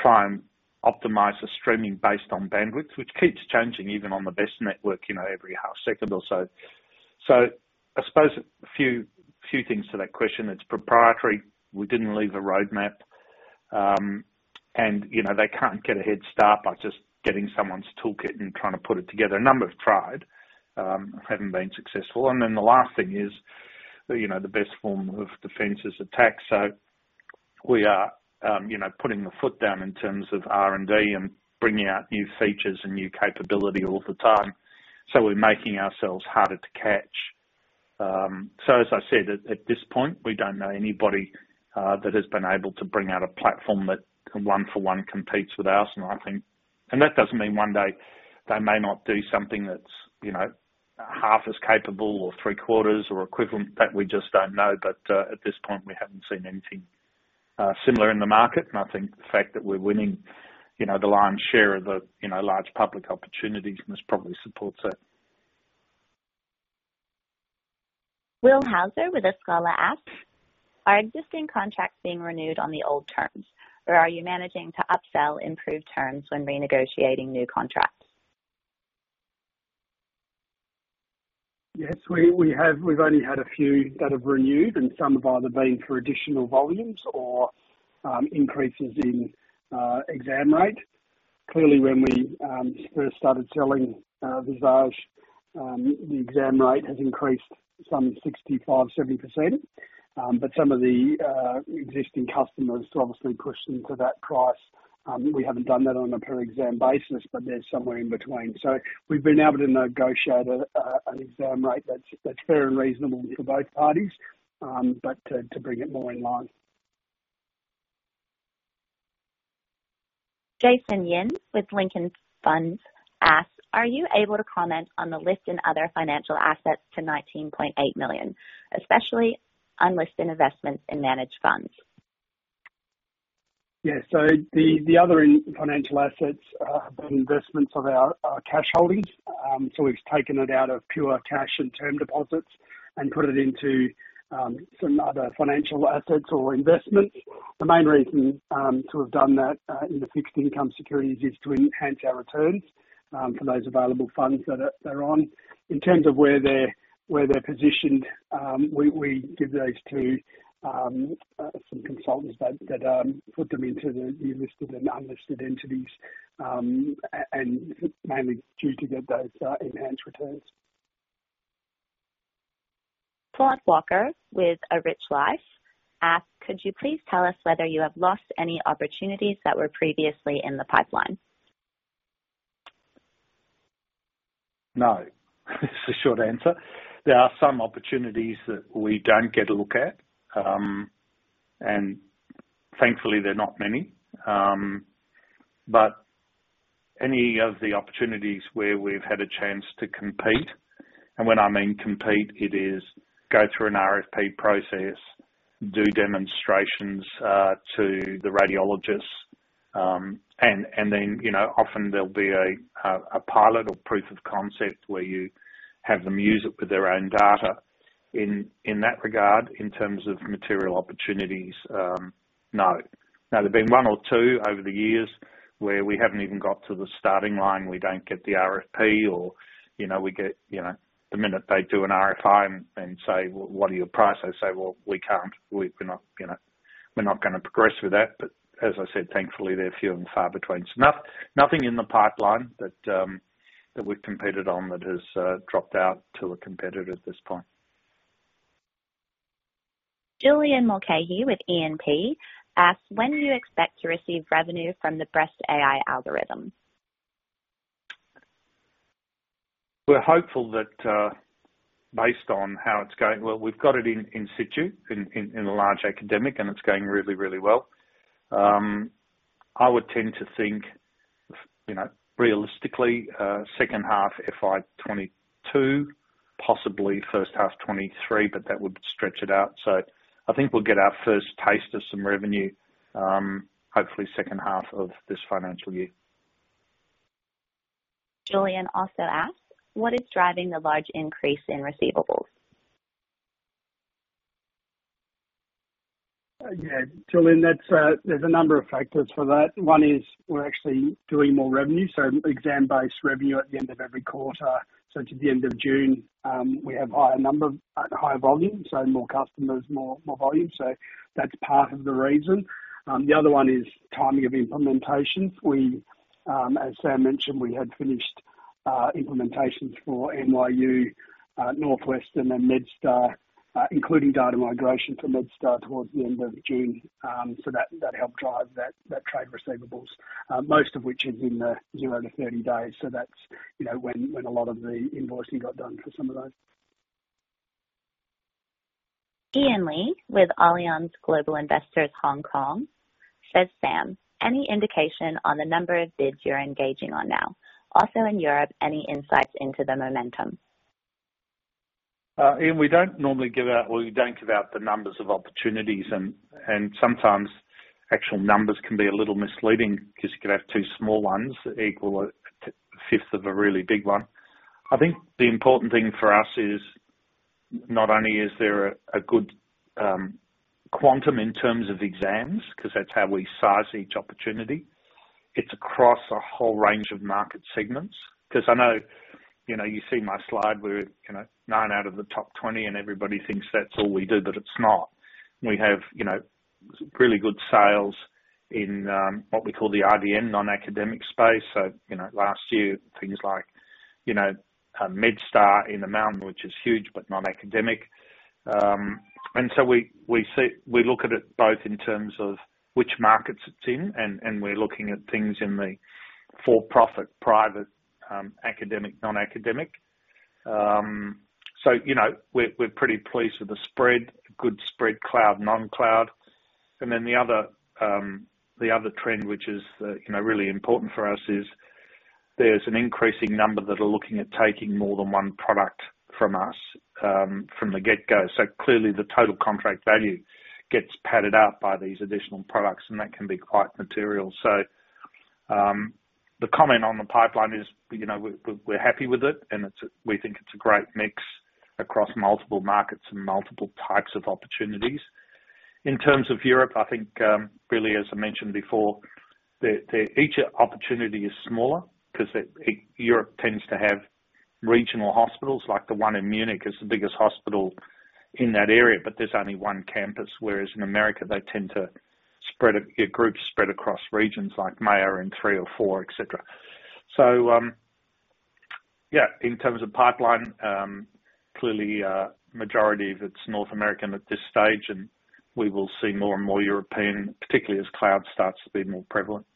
Speaker 2: try and optimize the streaming based on bandwidth, which keeps changing even on the best network, every half second or so. I suppose a few things to that question. It's proprietary. We didn't leave a roadmap. They can't get a head start by just getting someone's toolkit and trying to put it together. A number have tried, haven't been successful. The last thing is, the best form of defense is attack. We are putting the foot down in terms of R&D and bringing out new features and new capability all the time. We're making ourselves harder to catch. As I said, at this point, we don't know anybody that has been able to bring out a platform that one-for-one competes with ours. That doesn't mean one day they may not do something that's half as capable or three-quarters or equivalent. That we just don't know. At this point, we haven't seen anything similar in the market. I think the fact that we're winning the lion's share of the large public opportunities, and this probably supports it.
Speaker 1: Will Hauser with Escala asks, "Are existing contracts being renewed on the old terms? Or are you managing to upsell improved terms when renegotiating new contracts?
Speaker 6: Yes. We've only had a few that have renewed, and some have either been for additional volumes or increases in exam rate. Clearly, when we first started selling Visage, the exam rate has increased some 65%, 70%. Some of the existing customers, to obviously push them to that price, we haven't done that on a per exam basis, but they're somewhere in between. We've been able to negotiate an exam rate that's fair and reasonable for both parties, but to bring it more in line.
Speaker 1: Jason Yin with Lincoln Indicators asks, "Are you able to comment on the list and other financial assets to 19.8 million, especially unlisted investments in managed funds?
Speaker 6: Yeah. The other financial assets are investments of our cash holdings. We've taken it out of pure cash and term deposits and put it into some other financial assets or investments. The main reason to have done that in the fixed income securities is to enhance our returns for those available funds that they're on. In terms of where they're positioned, we give those to some consultants that put them into the unlisted and listed entities, and mainly due to get those enhanced returns.
Speaker 1: Claude Walker with A Rich Life asks, "Could you please tell us whether you have lost any opportunities that were previously in the pipeline?
Speaker 2: No. Is the short answer. There are some opportunities that we don't get a look at. Thankfully, they're not many. Any of the opportunities where we've had a chance to compete, and when I mean compete, it is go through an RFP process, do demonstrations to the radiologists, and then often there'll be a pilot or proof of concept where you have them use it with their own data. In that regard, in terms of material opportunities, no. Now, there've been one or two over the years where we haven't even got to the starting line. We don't get the RFP or we get, the minute they do an RFI and say, "Well, what are your prices?" Say, "Well, we can't. We're not going to progress with that." As I said, thankfully, they're few and far between. Nothing in the pipeline that we've competed on that has dropped out to a competitor at this point.
Speaker 1: Julian Mulcahy with E&P asks, "When do you expect to receive revenue from the breast AI algorithm?
Speaker 2: We're hopeful that based on how it's going, well, we've got it in situ in a large academic, and it's going really, really well. I would tend to think, realistically, second half FY 2022, possibly first half 2023. That would stretch it out. I think we'll get our first taste of some revenue, hopefully second half of this financial year.
Speaker 1: Julian also asks, "What is driving the large increase in receivables?
Speaker 6: Yeah. Julian, there's a number of factors for that. One is we're actually doing more revenue, so exam-based revenue at the end of every quarter. To the end of June, we have higher volume, so more customers, more volume. That's part of the reason. The other one is timing of implementations. As Sam mentioned, we had finished implementations for NYU, Northwestern, and MedStar, including data migration for MedStar towards the end of June. That helped drive that trade receivables, most of which is in the 0-30 days. That's when a lot of the invoicing got done for some of those.
Speaker 1: Ian Lee with Allianz Global Investors Hong Kong says, "Sam, any indication on the number of bids you're engaging on now? Also in Europe, any insights into the momentum?
Speaker 2: Ian, we don't normally give out, well, we don't give out the numbers of opportunities, sometimes actual numbers can be a little misleading because you could have two small ones that equal a fifth of a really big one. I think the important thing for us is not only is there a good quantum in terms of exams, because that's how we size each opportunity. It's across a whole range of market segments. I know, you see my slide where 9 out of the top 20, and everybody thinks that's all we do, but it's not. We have really good sales in what we call the IDN non-academic space. Last year, things like MedStar in amount, which is huge, but non-academic. We look at it both in terms of which markets it's in, and we're looking at things in the for-profit, private, academic, non-academic. We're pretty pleased with the spread. A good spread, cloud, non-cloud. The other trend, which is really important for us is there's an increasing number that are looking at taking more than one product from us from the get-go. Clearly, the total contract value gets padded out by these additional products, and that can be quite material. The comment on the pipeline is we're happy with it and we think it's a great mix across multiple markets and multiple types of opportunities. In terms of Europe, I think, really, as I mentioned before, each opportunity is smaller because Europe tends to have regional hospitals. Like the one in Munich is the biggest hospital in that area, but there's only one campus, whereas in America, they tend to spread, groups spread across regions like Mayo in three or four, et cetera. Yeah, in terms of pipeline, clearly a majority of it's North American at this stage, and we will see more and more European, particularly as cloud starts to be more prevalent.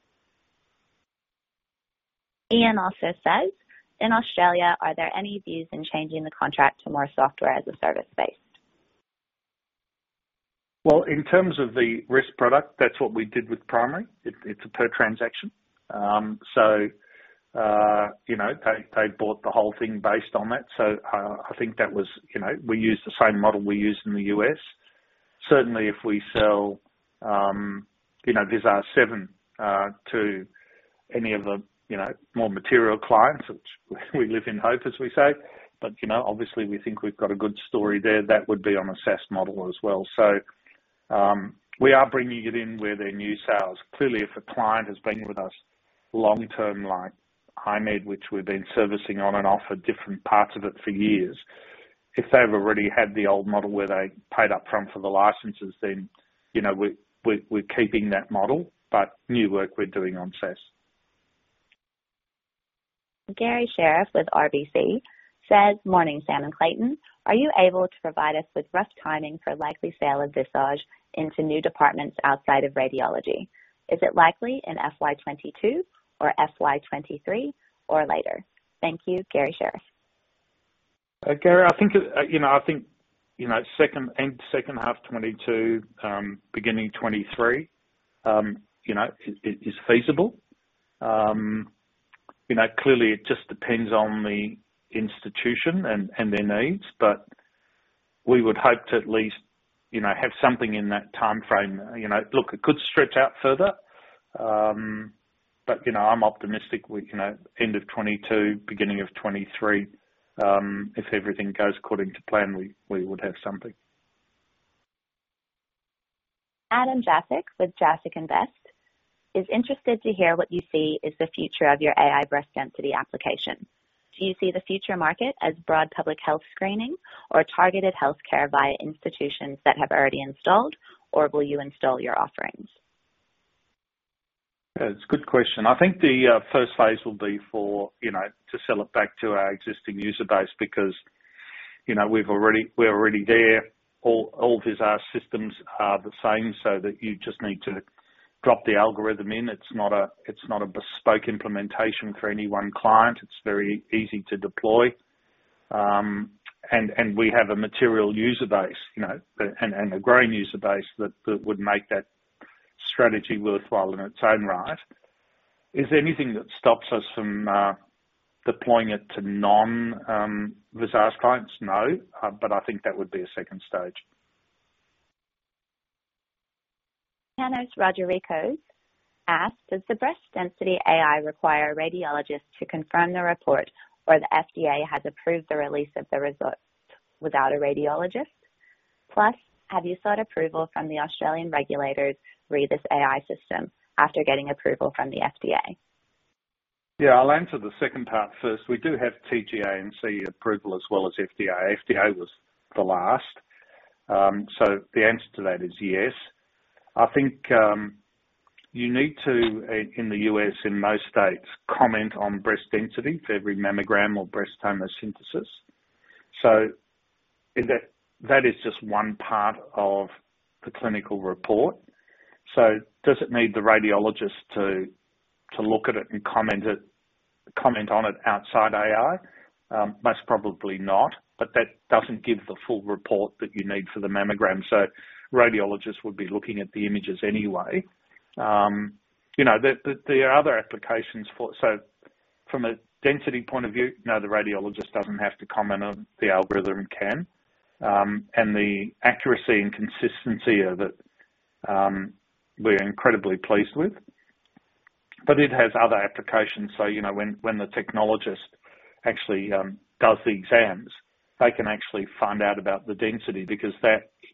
Speaker 1: Ian also says, "In Australia, are there any views in changing the contract to more software as a service-based?
Speaker 2: Well, in terms of the RIS product, that's what we did with Primary. It's a per transaction. They bought the whole thing based on that. I think we used the same model we used in the U.S. Certainly, if we sell Visage 7 to any of the more material clients, which we live in hope, as we say, but obviously we think we've got a good story there, that would be on a SaaS model as well. We are bringing it in where there are new sales. Clearly, if a client has been with us long-term, like I-MED, which we've been servicing on and off at different parts of it for years, if they've already had the old model where they paid up front for the licenses, then we're keeping that model, but new work we're doing on SaaS.
Speaker 1: Garry Sherriff with RBC says, "Morning, Sam and Clayton. Are you able to provide us with rough timing for likely sale of Visage into new departments outside of radiology? Is it likely in FY 2022 or FY 2023 or later? Thank you. Garry Sherriff.
Speaker 2: Garry, I think end second half 2022, beginning 2023, is feasible. It just depends on the institution and their needs, but we would hope to at least have something in that timeframe. Look, it could stretch out further. I'm optimistic end of 2022, beginning of 2023, if everything goes according to plan, we would have something.
Speaker 1: Adam Jafek with Jafek Invest is interested to hear what you see is the future of your AI breast density application. Do you see the future market as broad public health screening or targeted healthcare via institutions that have already installed, or will you install your offerings?
Speaker 2: Yeah, it's a good question. I think the first phase will be to sell it back to our existing user base because we're already there. All Visage systems are the same, so that you just need to drop the algorithm in. It's not a bespoke implementation for any one client. It's very easy to deploy. We have a material user base, and a growing user base that would make that strategy worthwhile in its own right. Is there anything that stops us from deploying it to non-Visage clients? No, but I think that would be a second stage.
Speaker 1: Panos Rodericos asked, "Does the breast density AI require a radiologist to confirm the report, or the FDA has approved the release of the results without a radiologist? Have you sought approval from the Australian regulators re this AI system after getting approval from the FDA?
Speaker 2: I'll answer the second part first. We do have TGA and CE approval as well as FDA. FDA was the last. The answer to that is yes. I think, you need to, in the U.S., in most states, comment on breast density for every mammogram or breast tomosynthesis. That is just one part of the clinical report. Does it need the radiologist to look at it and comment on it outside AI? Most probably not, but that doesn't give the full report that you need for the mammogram. Radiologists would be looking at the images anyway. There are other applications for it, so, from a density point of view, no, the radiologist doesn't have to comment on. The algorithm can. The accuracy and consistency of it, we're incredibly pleased with. It has other applications. When the technologist actually does the exams, they can actually find out about the density, because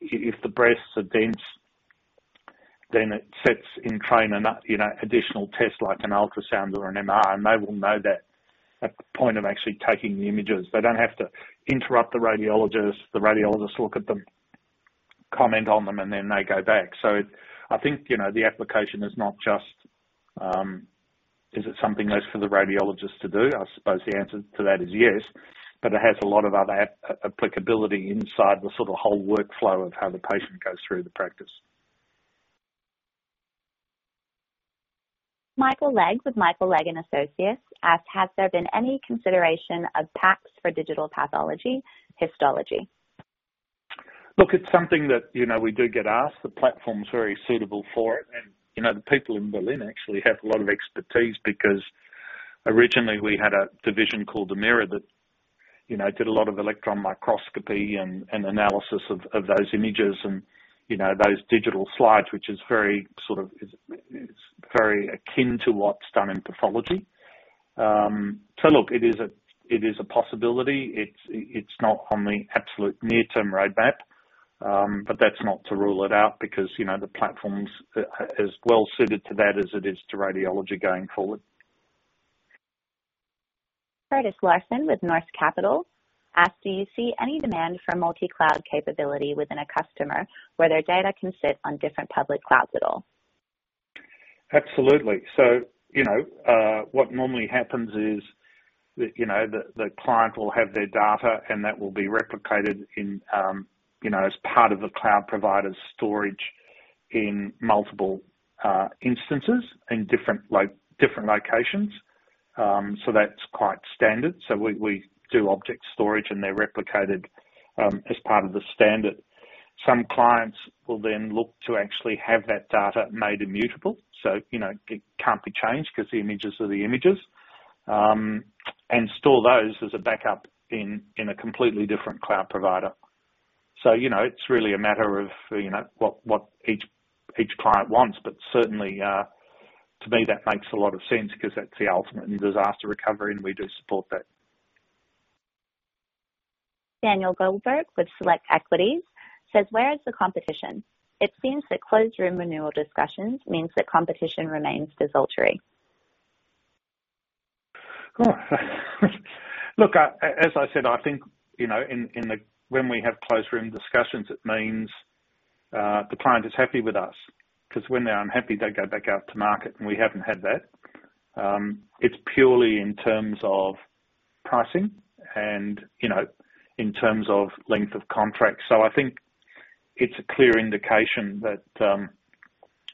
Speaker 2: if the breasts are dense, then it sets in train an additional test, like an ultrasound or an MR, and they will know that at the point of actually taking the images. They don't have to interrupt the radiologist. The radiologists look at them, comment on them, and then they go back. I think, the application is not just, is it something less for the radiologist to do? I suppose the answer to that is yes. It has a lot of other applicability inside the sort of whole workflow of how the patient goes through the practice.
Speaker 1: Michael Legg, with Michael Legg and Associates asked, "Has there been any consideration of PACS for digital pathology, histology?
Speaker 2: Look, it's something that we do get asked. The platform's very suitable for it. The people in Berlin actually have a lot of expertise because originally we had a division called Amira that did a lot of electron microscopy and analysis of those images and those digital slides, which is very akin to what's done in pathology. Look, it is a possibility. It's not on the absolute near-term roadmap. That's not to rule it out because the platform's as well-suited to that as it is to radiology going forward.
Speaker 1: Curtis Larson with Northcape Capital asks, "Do you see any demand for multi-cloud capability within a customer where their data can sit on different public clouds at all?
Speaker 2: Absolutely. What normally happens is, the client will have their data and that will be replicated as part of the cloud provider's storage in multiple instances in different locations. That's quite standard. We do object storage, and they're replicated as part of the standard. Some clients will then look to actually have that data made immutable, so it can't be changed because the images are the images, and store those as a backup in a completely different cloud provider. It's really a matter of what each client wants. Certainly, to me, that makes a lot of sense because that's the ultimate in disaster recovery, and we do support that.
Speaker 1: Danny Goldberg with Select Equities says, "Where is the competition? It seems that closed-room renewal discussions means that competition remains desultory.
Speaker 2: Look, as I said, I think when we have closed-room discussions, it means the client is happy with us. When they're unhappy, they go back out to market, and we haven't had that. It's purely in terms of pricing and in terms of length of contract. I think it's a clear indication that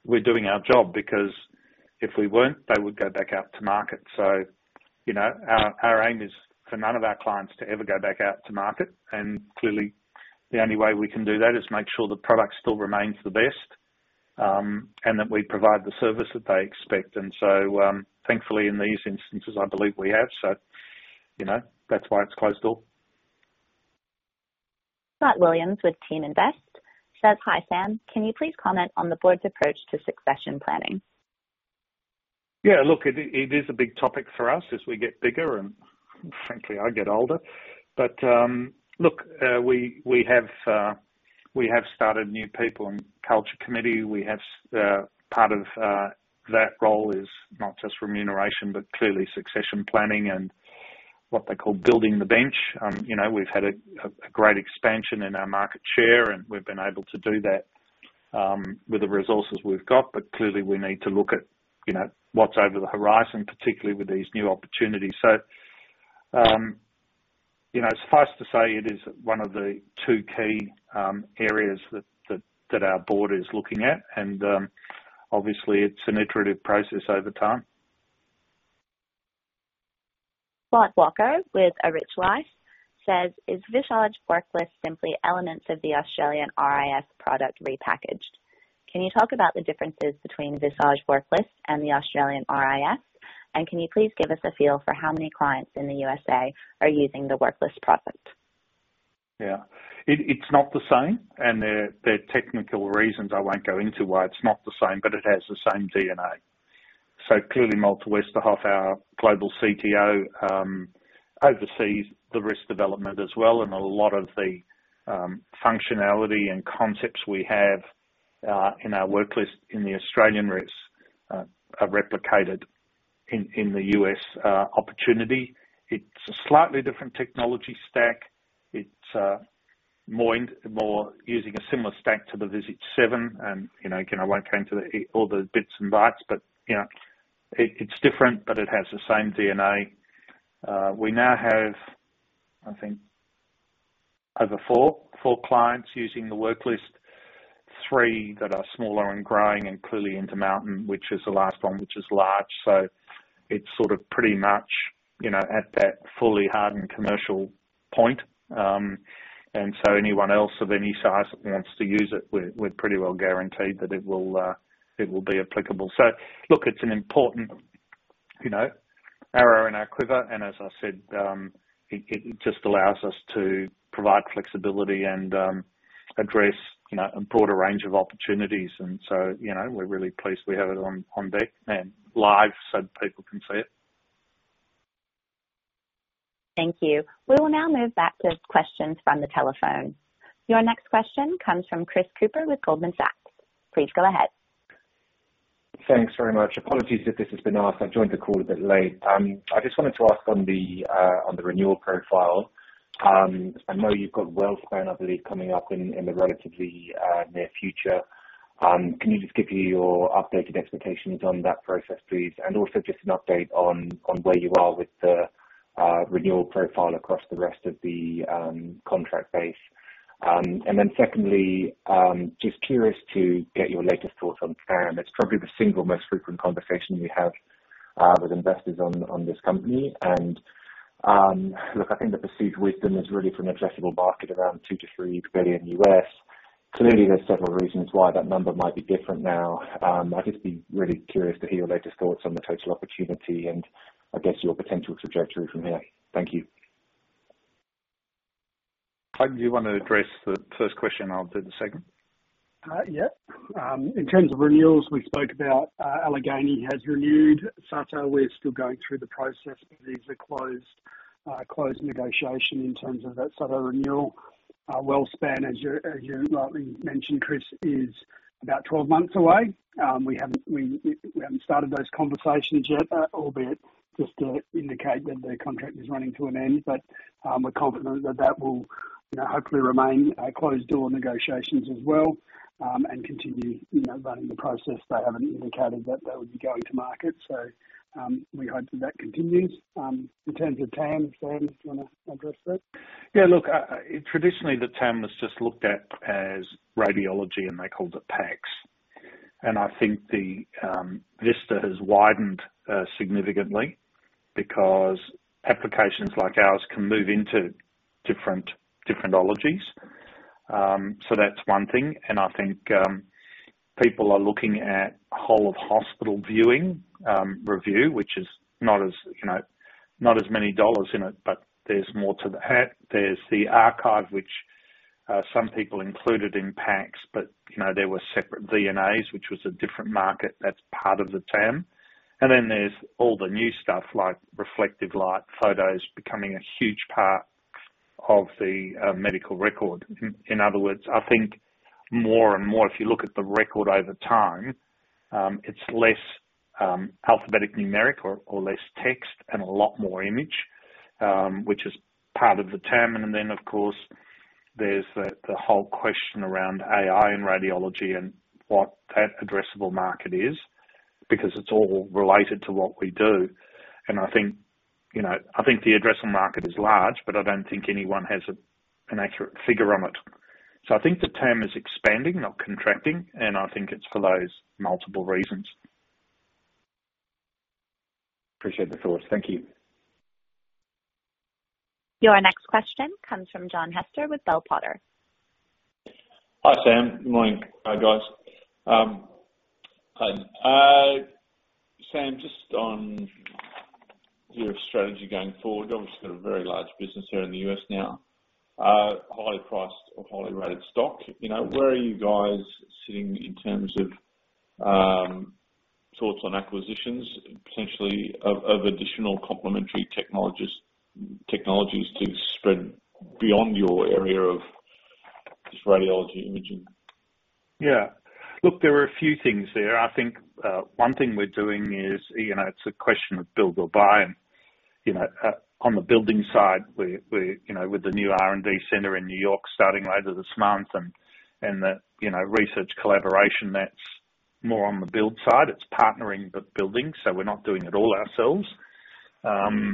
Speaker 2: we're doing our job, because if we weren't, they would go back out to market. Our aim is for none of our clients to ever go back out to market, and clearly, the only way we can do that is make sure the product still remains the best, and that we provide the service that they expect. Thankfully, in these instances, I believe we have. That's why it's closed door.
Speaker 1: Scott Williams with Teaminvest says, "Hi, Sam. Can you please comment on the board's approach to succession planning?
Speaker 2: Yeah, look, it is a big topic for us as we get bigger and frankly, I get older. Look, we have started a new people and culture committee. Part of that role is not just remuneration, but clearly succession planning and what they call building the bench. We've had a great expansion in our market share, and we've been able to do that with the resources we've got. Clearly, we need to look at what's over the horizon, particularly with these new opportunities. Suffice to say, it is one of the two key areas that our board is looking at, and obviously, it's an iterative process over time.
Speaker 1: Scott Walker with A Rich Life says, "Is Visage Worklist simply elements of the Australian RIS product repackaged? Can you talk about the differences between Visage Worklist and the Australian RIS? Can you please give us a feel for how many clients in the U.S.A. are using the Worklist product?
Speaker 2: Yeah. It's not the same, and there are technical reasons I won't go into why it's not the same, but it has the same DNA. Clearly, Malte Westerhoff, our Global CTO, oversees the RIS development as well, and a lot of the functionality and concepts we have in our Worklist in the Australian RIS are replicated in the U.S. opportunity. It's a slightly different technology stack. It's more using a similar stack to the Visage 7. Again, I won't go into all the bits and bytes, but it's different, but it has the same DNA. We now have, I think, over four clients using the Worklist, three that are smaller and growing, and clearly Intermountain, which is the last one, which is large. It's sort of pretty much at that fully hardened commercial point. Anyone else of any size that wants to use it, we're pretty well guaranteed that it will be applicable. Look, it's an important arrow in our quiver, and as I said, it just allows us to provide flexibility and address a broader range of opportunities and so, we're really pleased we have it on deck and live so people can see it.
Speaker 1: Thank you. We will now move back to questions from the telephone. Your next question comes from Chris Cooper with Goldman Sachs. Please go ahead.
Speaker 7: Thanks very much. Apologies if this has been asked, I joined the call a bit late. I just wanted to ask on the renewal profile, I know you've got WellSpan, I believe, coming up in the relatively near future. Can you just give your updated expectations on that process, please? Also just an update on where you are with the renewal profile across the rest of the contract base. Secondly, just curious to get your latest thoughts on TAM. It's probably the single most frequent conversation we have with investors on this company. Look, I think the perceived wisdom is really for an addressable market around $2 billion-$3 billion U.S. Clearly, there's several reasons why that number might be different now. I'd just be really curious to hear your latest thoughts on the total opportunity and I guess your potential trajectory from here. Thank you.
Speaker 2: Clayton, do you want to address the first question? I'll do the second.
Speaker 6: In terms of renewals, we spoke about Allegheny has renewed. Sutter, we're still going through the process, but these are closed negotiation in terms of that Sato renewal. WellSpan, as you rightly mentioned, Chris, is about 12 months away. We haven't started those conversations yet, albeit just to indicate that the contract is running to an end. We're confident that that will hopefully remain closed-door negotiations as well, and continue running the process. They haven't indicated that they would be going to market. We hope that that continues. In terms of TAM, Sam, do you want to address that?
Speaker 2: Yeah, look, traditionally the TAM was just looked at as radiology, and they called it PACS. I think the vista has widened significantly because applications like ours can move into different ologies. That's one thing. I think, people are looking at whole-of-hospital viewing, review, which is not as many dollars in it, but there's more to that. There's the archive, which some people included in PACS, but there were separate VNAs, which was a different market, that's part of the TAM. Then there's all the new stuff like reflective light photos becoming a huge part of the medical record. In other words, I think more and more, if you look at the record over time, it's less alphabetic numeric or less text and a lot more image, which is part of the TAM. Of course, there's the whole question around AI and radiology and what that addressable market is because it's all related to what we do. I think the addressable market is large, but I don't think anyone has an accurate figure on it. I think the TAM is expanding, not contracting, and I think it's for those multiple reasons.
Speaker 7: Appreciate the thoughts. Thank you.
Speaker 1: Your next question comes from John Hester with Bell Potter.
Speaker 8: Hi, Sam. Good morning. Hi, guys. Clayton. Sam, just on your strategy going forward, you obviously got a very large business here in the U.S. now. Highly priced or highly rated stock. Where are you guys sitting in terms of thoughts on acquisitions, potentially of additional complementary technologies to spread beyond your area of just radiology imaging?
Speaker 2: Yeah. Look, there are a few things there. I think, one thing we're doing is, it's a question of build or buy. On the building side, with the new R&D center in New York starting later this month and the research collaboration that's more on the build side, it's partnering but building. We're not doing it all ourselves. There'll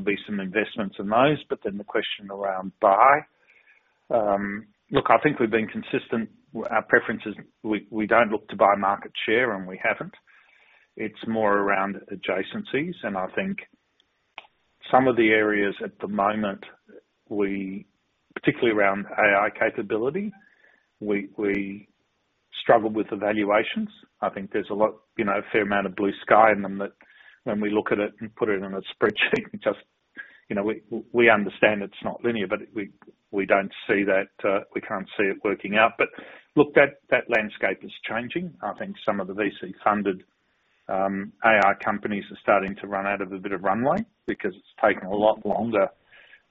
Speaker 2: be some investments in those. The question around buy. Look, I think we've been consistent. Our preference is we don't look to buy market share, and we haven't. It's more around adjacencies. I think some of the areas at the moment, particularly around AI capability, we struggle with the valuations. I think there's a fair amount of blue sky in them that when we look at it and put it in a spreadsheet, we understand it's not linear, but we can't see it working out. Look, that landscape is changing. I think some of the VC-funded AI companies are starting to run out of a bit of runway because it's taken a lot longer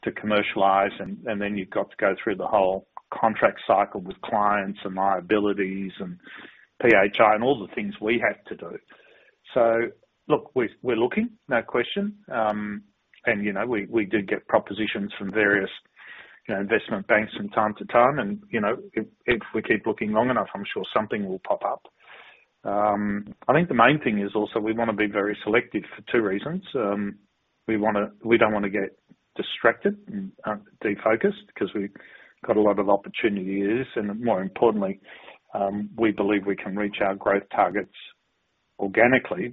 Speaker 2: to commercialize, and then you've got to go through the whole contract cycle with clients and liabilities and PHI and all the things we have to do. Look, we're looking, no question. We do get propositions from various investment banks from time to time, and if we keep looking long enough, I'm sure something will pop up. I think the main thing is also we want to be very selective for two reasons. We don't want to get distracted and de-focused because we've got a lot of opportunities, and more importantly, we believe we can reach our growth targets organically.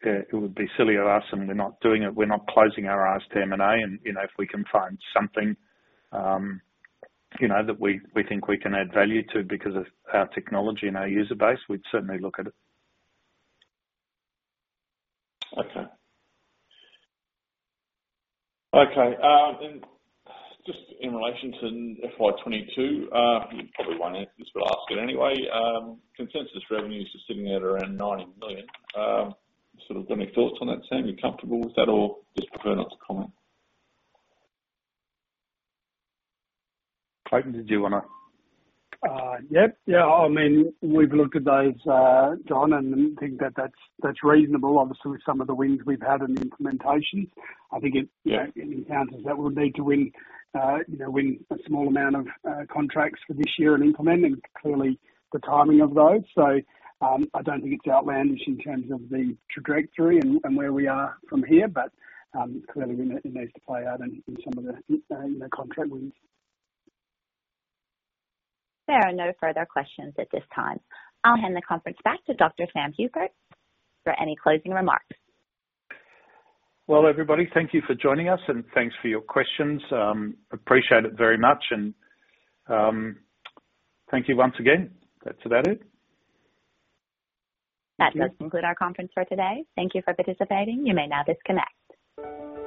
Speaker 2: It would be silly of us, and we're not doing it, we're not closing our eyes to M&A, and if we can find something that we think we can add value to because of our technology and our user base, we'd certainly look at it.
Speaker 8: Okay. Just in relation to FY 2022, you probably won't answer this, I'll ask it anyway. Consensus revenues are sitting at around 90 million. Sort of got any thoughts on that, Sam? You comfortable with that or just prefer not to comment?
Speaker 2: Clayton, did you wanna?
Speaker 6: Yeah. I mean, we've looked at those, John, and think that that's reasonable. Obviously, with some of the wins we've had in implementations. I think it encounters that we'll need to win a small amount of contracts for this year and implement and clearly the timing of those. I don't think it's outlandish in terms of the trajectory and where we are from here. Clearly it needs to play out in some of the contract wins.
Speaker 1: There are no further questions at this time. I'll hand the conference back to Dr. Sam Hupert for any closing remarks.
Speaker 2: Well, everybody, thank you for joining us, and thanks for your questions. Appreciate it very much. Thank you once again. That's about it.
Speaker 1: That does conclude our conference for today. Thank you for participating. You may now disconnect.